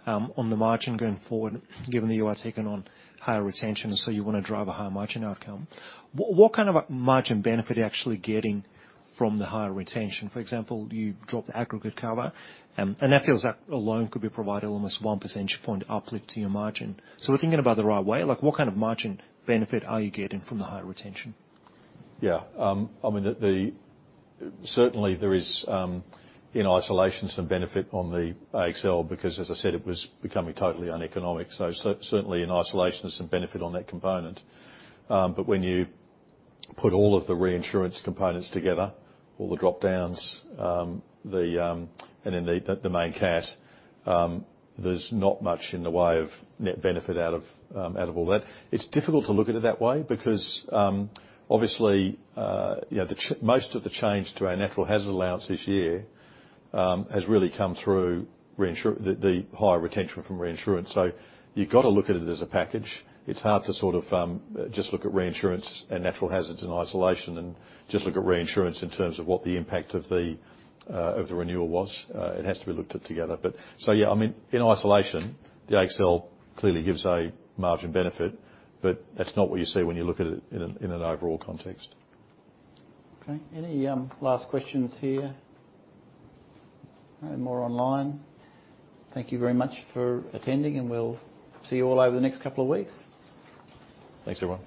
on the margin going forward, given that you are taking on higher retention, so you want to drive a higher margin outcome. What kind of a margin benefit are you actually getting from the higher retention? For example, you dropped the aggregate cover, and that feels like a loan could be providing almost 1% uplift to your margin. We're thinking about the right way, like, what kind of margin benefit are you getting from the higher retention? Yeah. I mean, certainly there is, in isolation, some benefit on the AXL, because as I said, it was becoming totally uneconomic. Certainly in isolation, there's some benefit on that component. When you put all of the reinsurance components together, all the drop downs, and then the main cat, there's not much in the way of net benefit out of, out of all that. It's difficult to look at it that way because, obviously, you know, most of the change to our natural hazard allowance this year, has really come through the higher retention from reinsurance. You've got to look at it as a package. It's hard to sort of, just look at reinsurance and natural hazards in isolation, and just look at reinsurance in terms of what the impact of the renewal was. It has to be looked at together. Yeah, I mean, in isolation, the AXL clearly gives a margin benefit, but that's not what you see when you look at it in an, in an overall context. Okay. Any last questions here? No, more online. Thank you very much for attending. We'll see you all over the next couple of weeks. Thanks, everyone.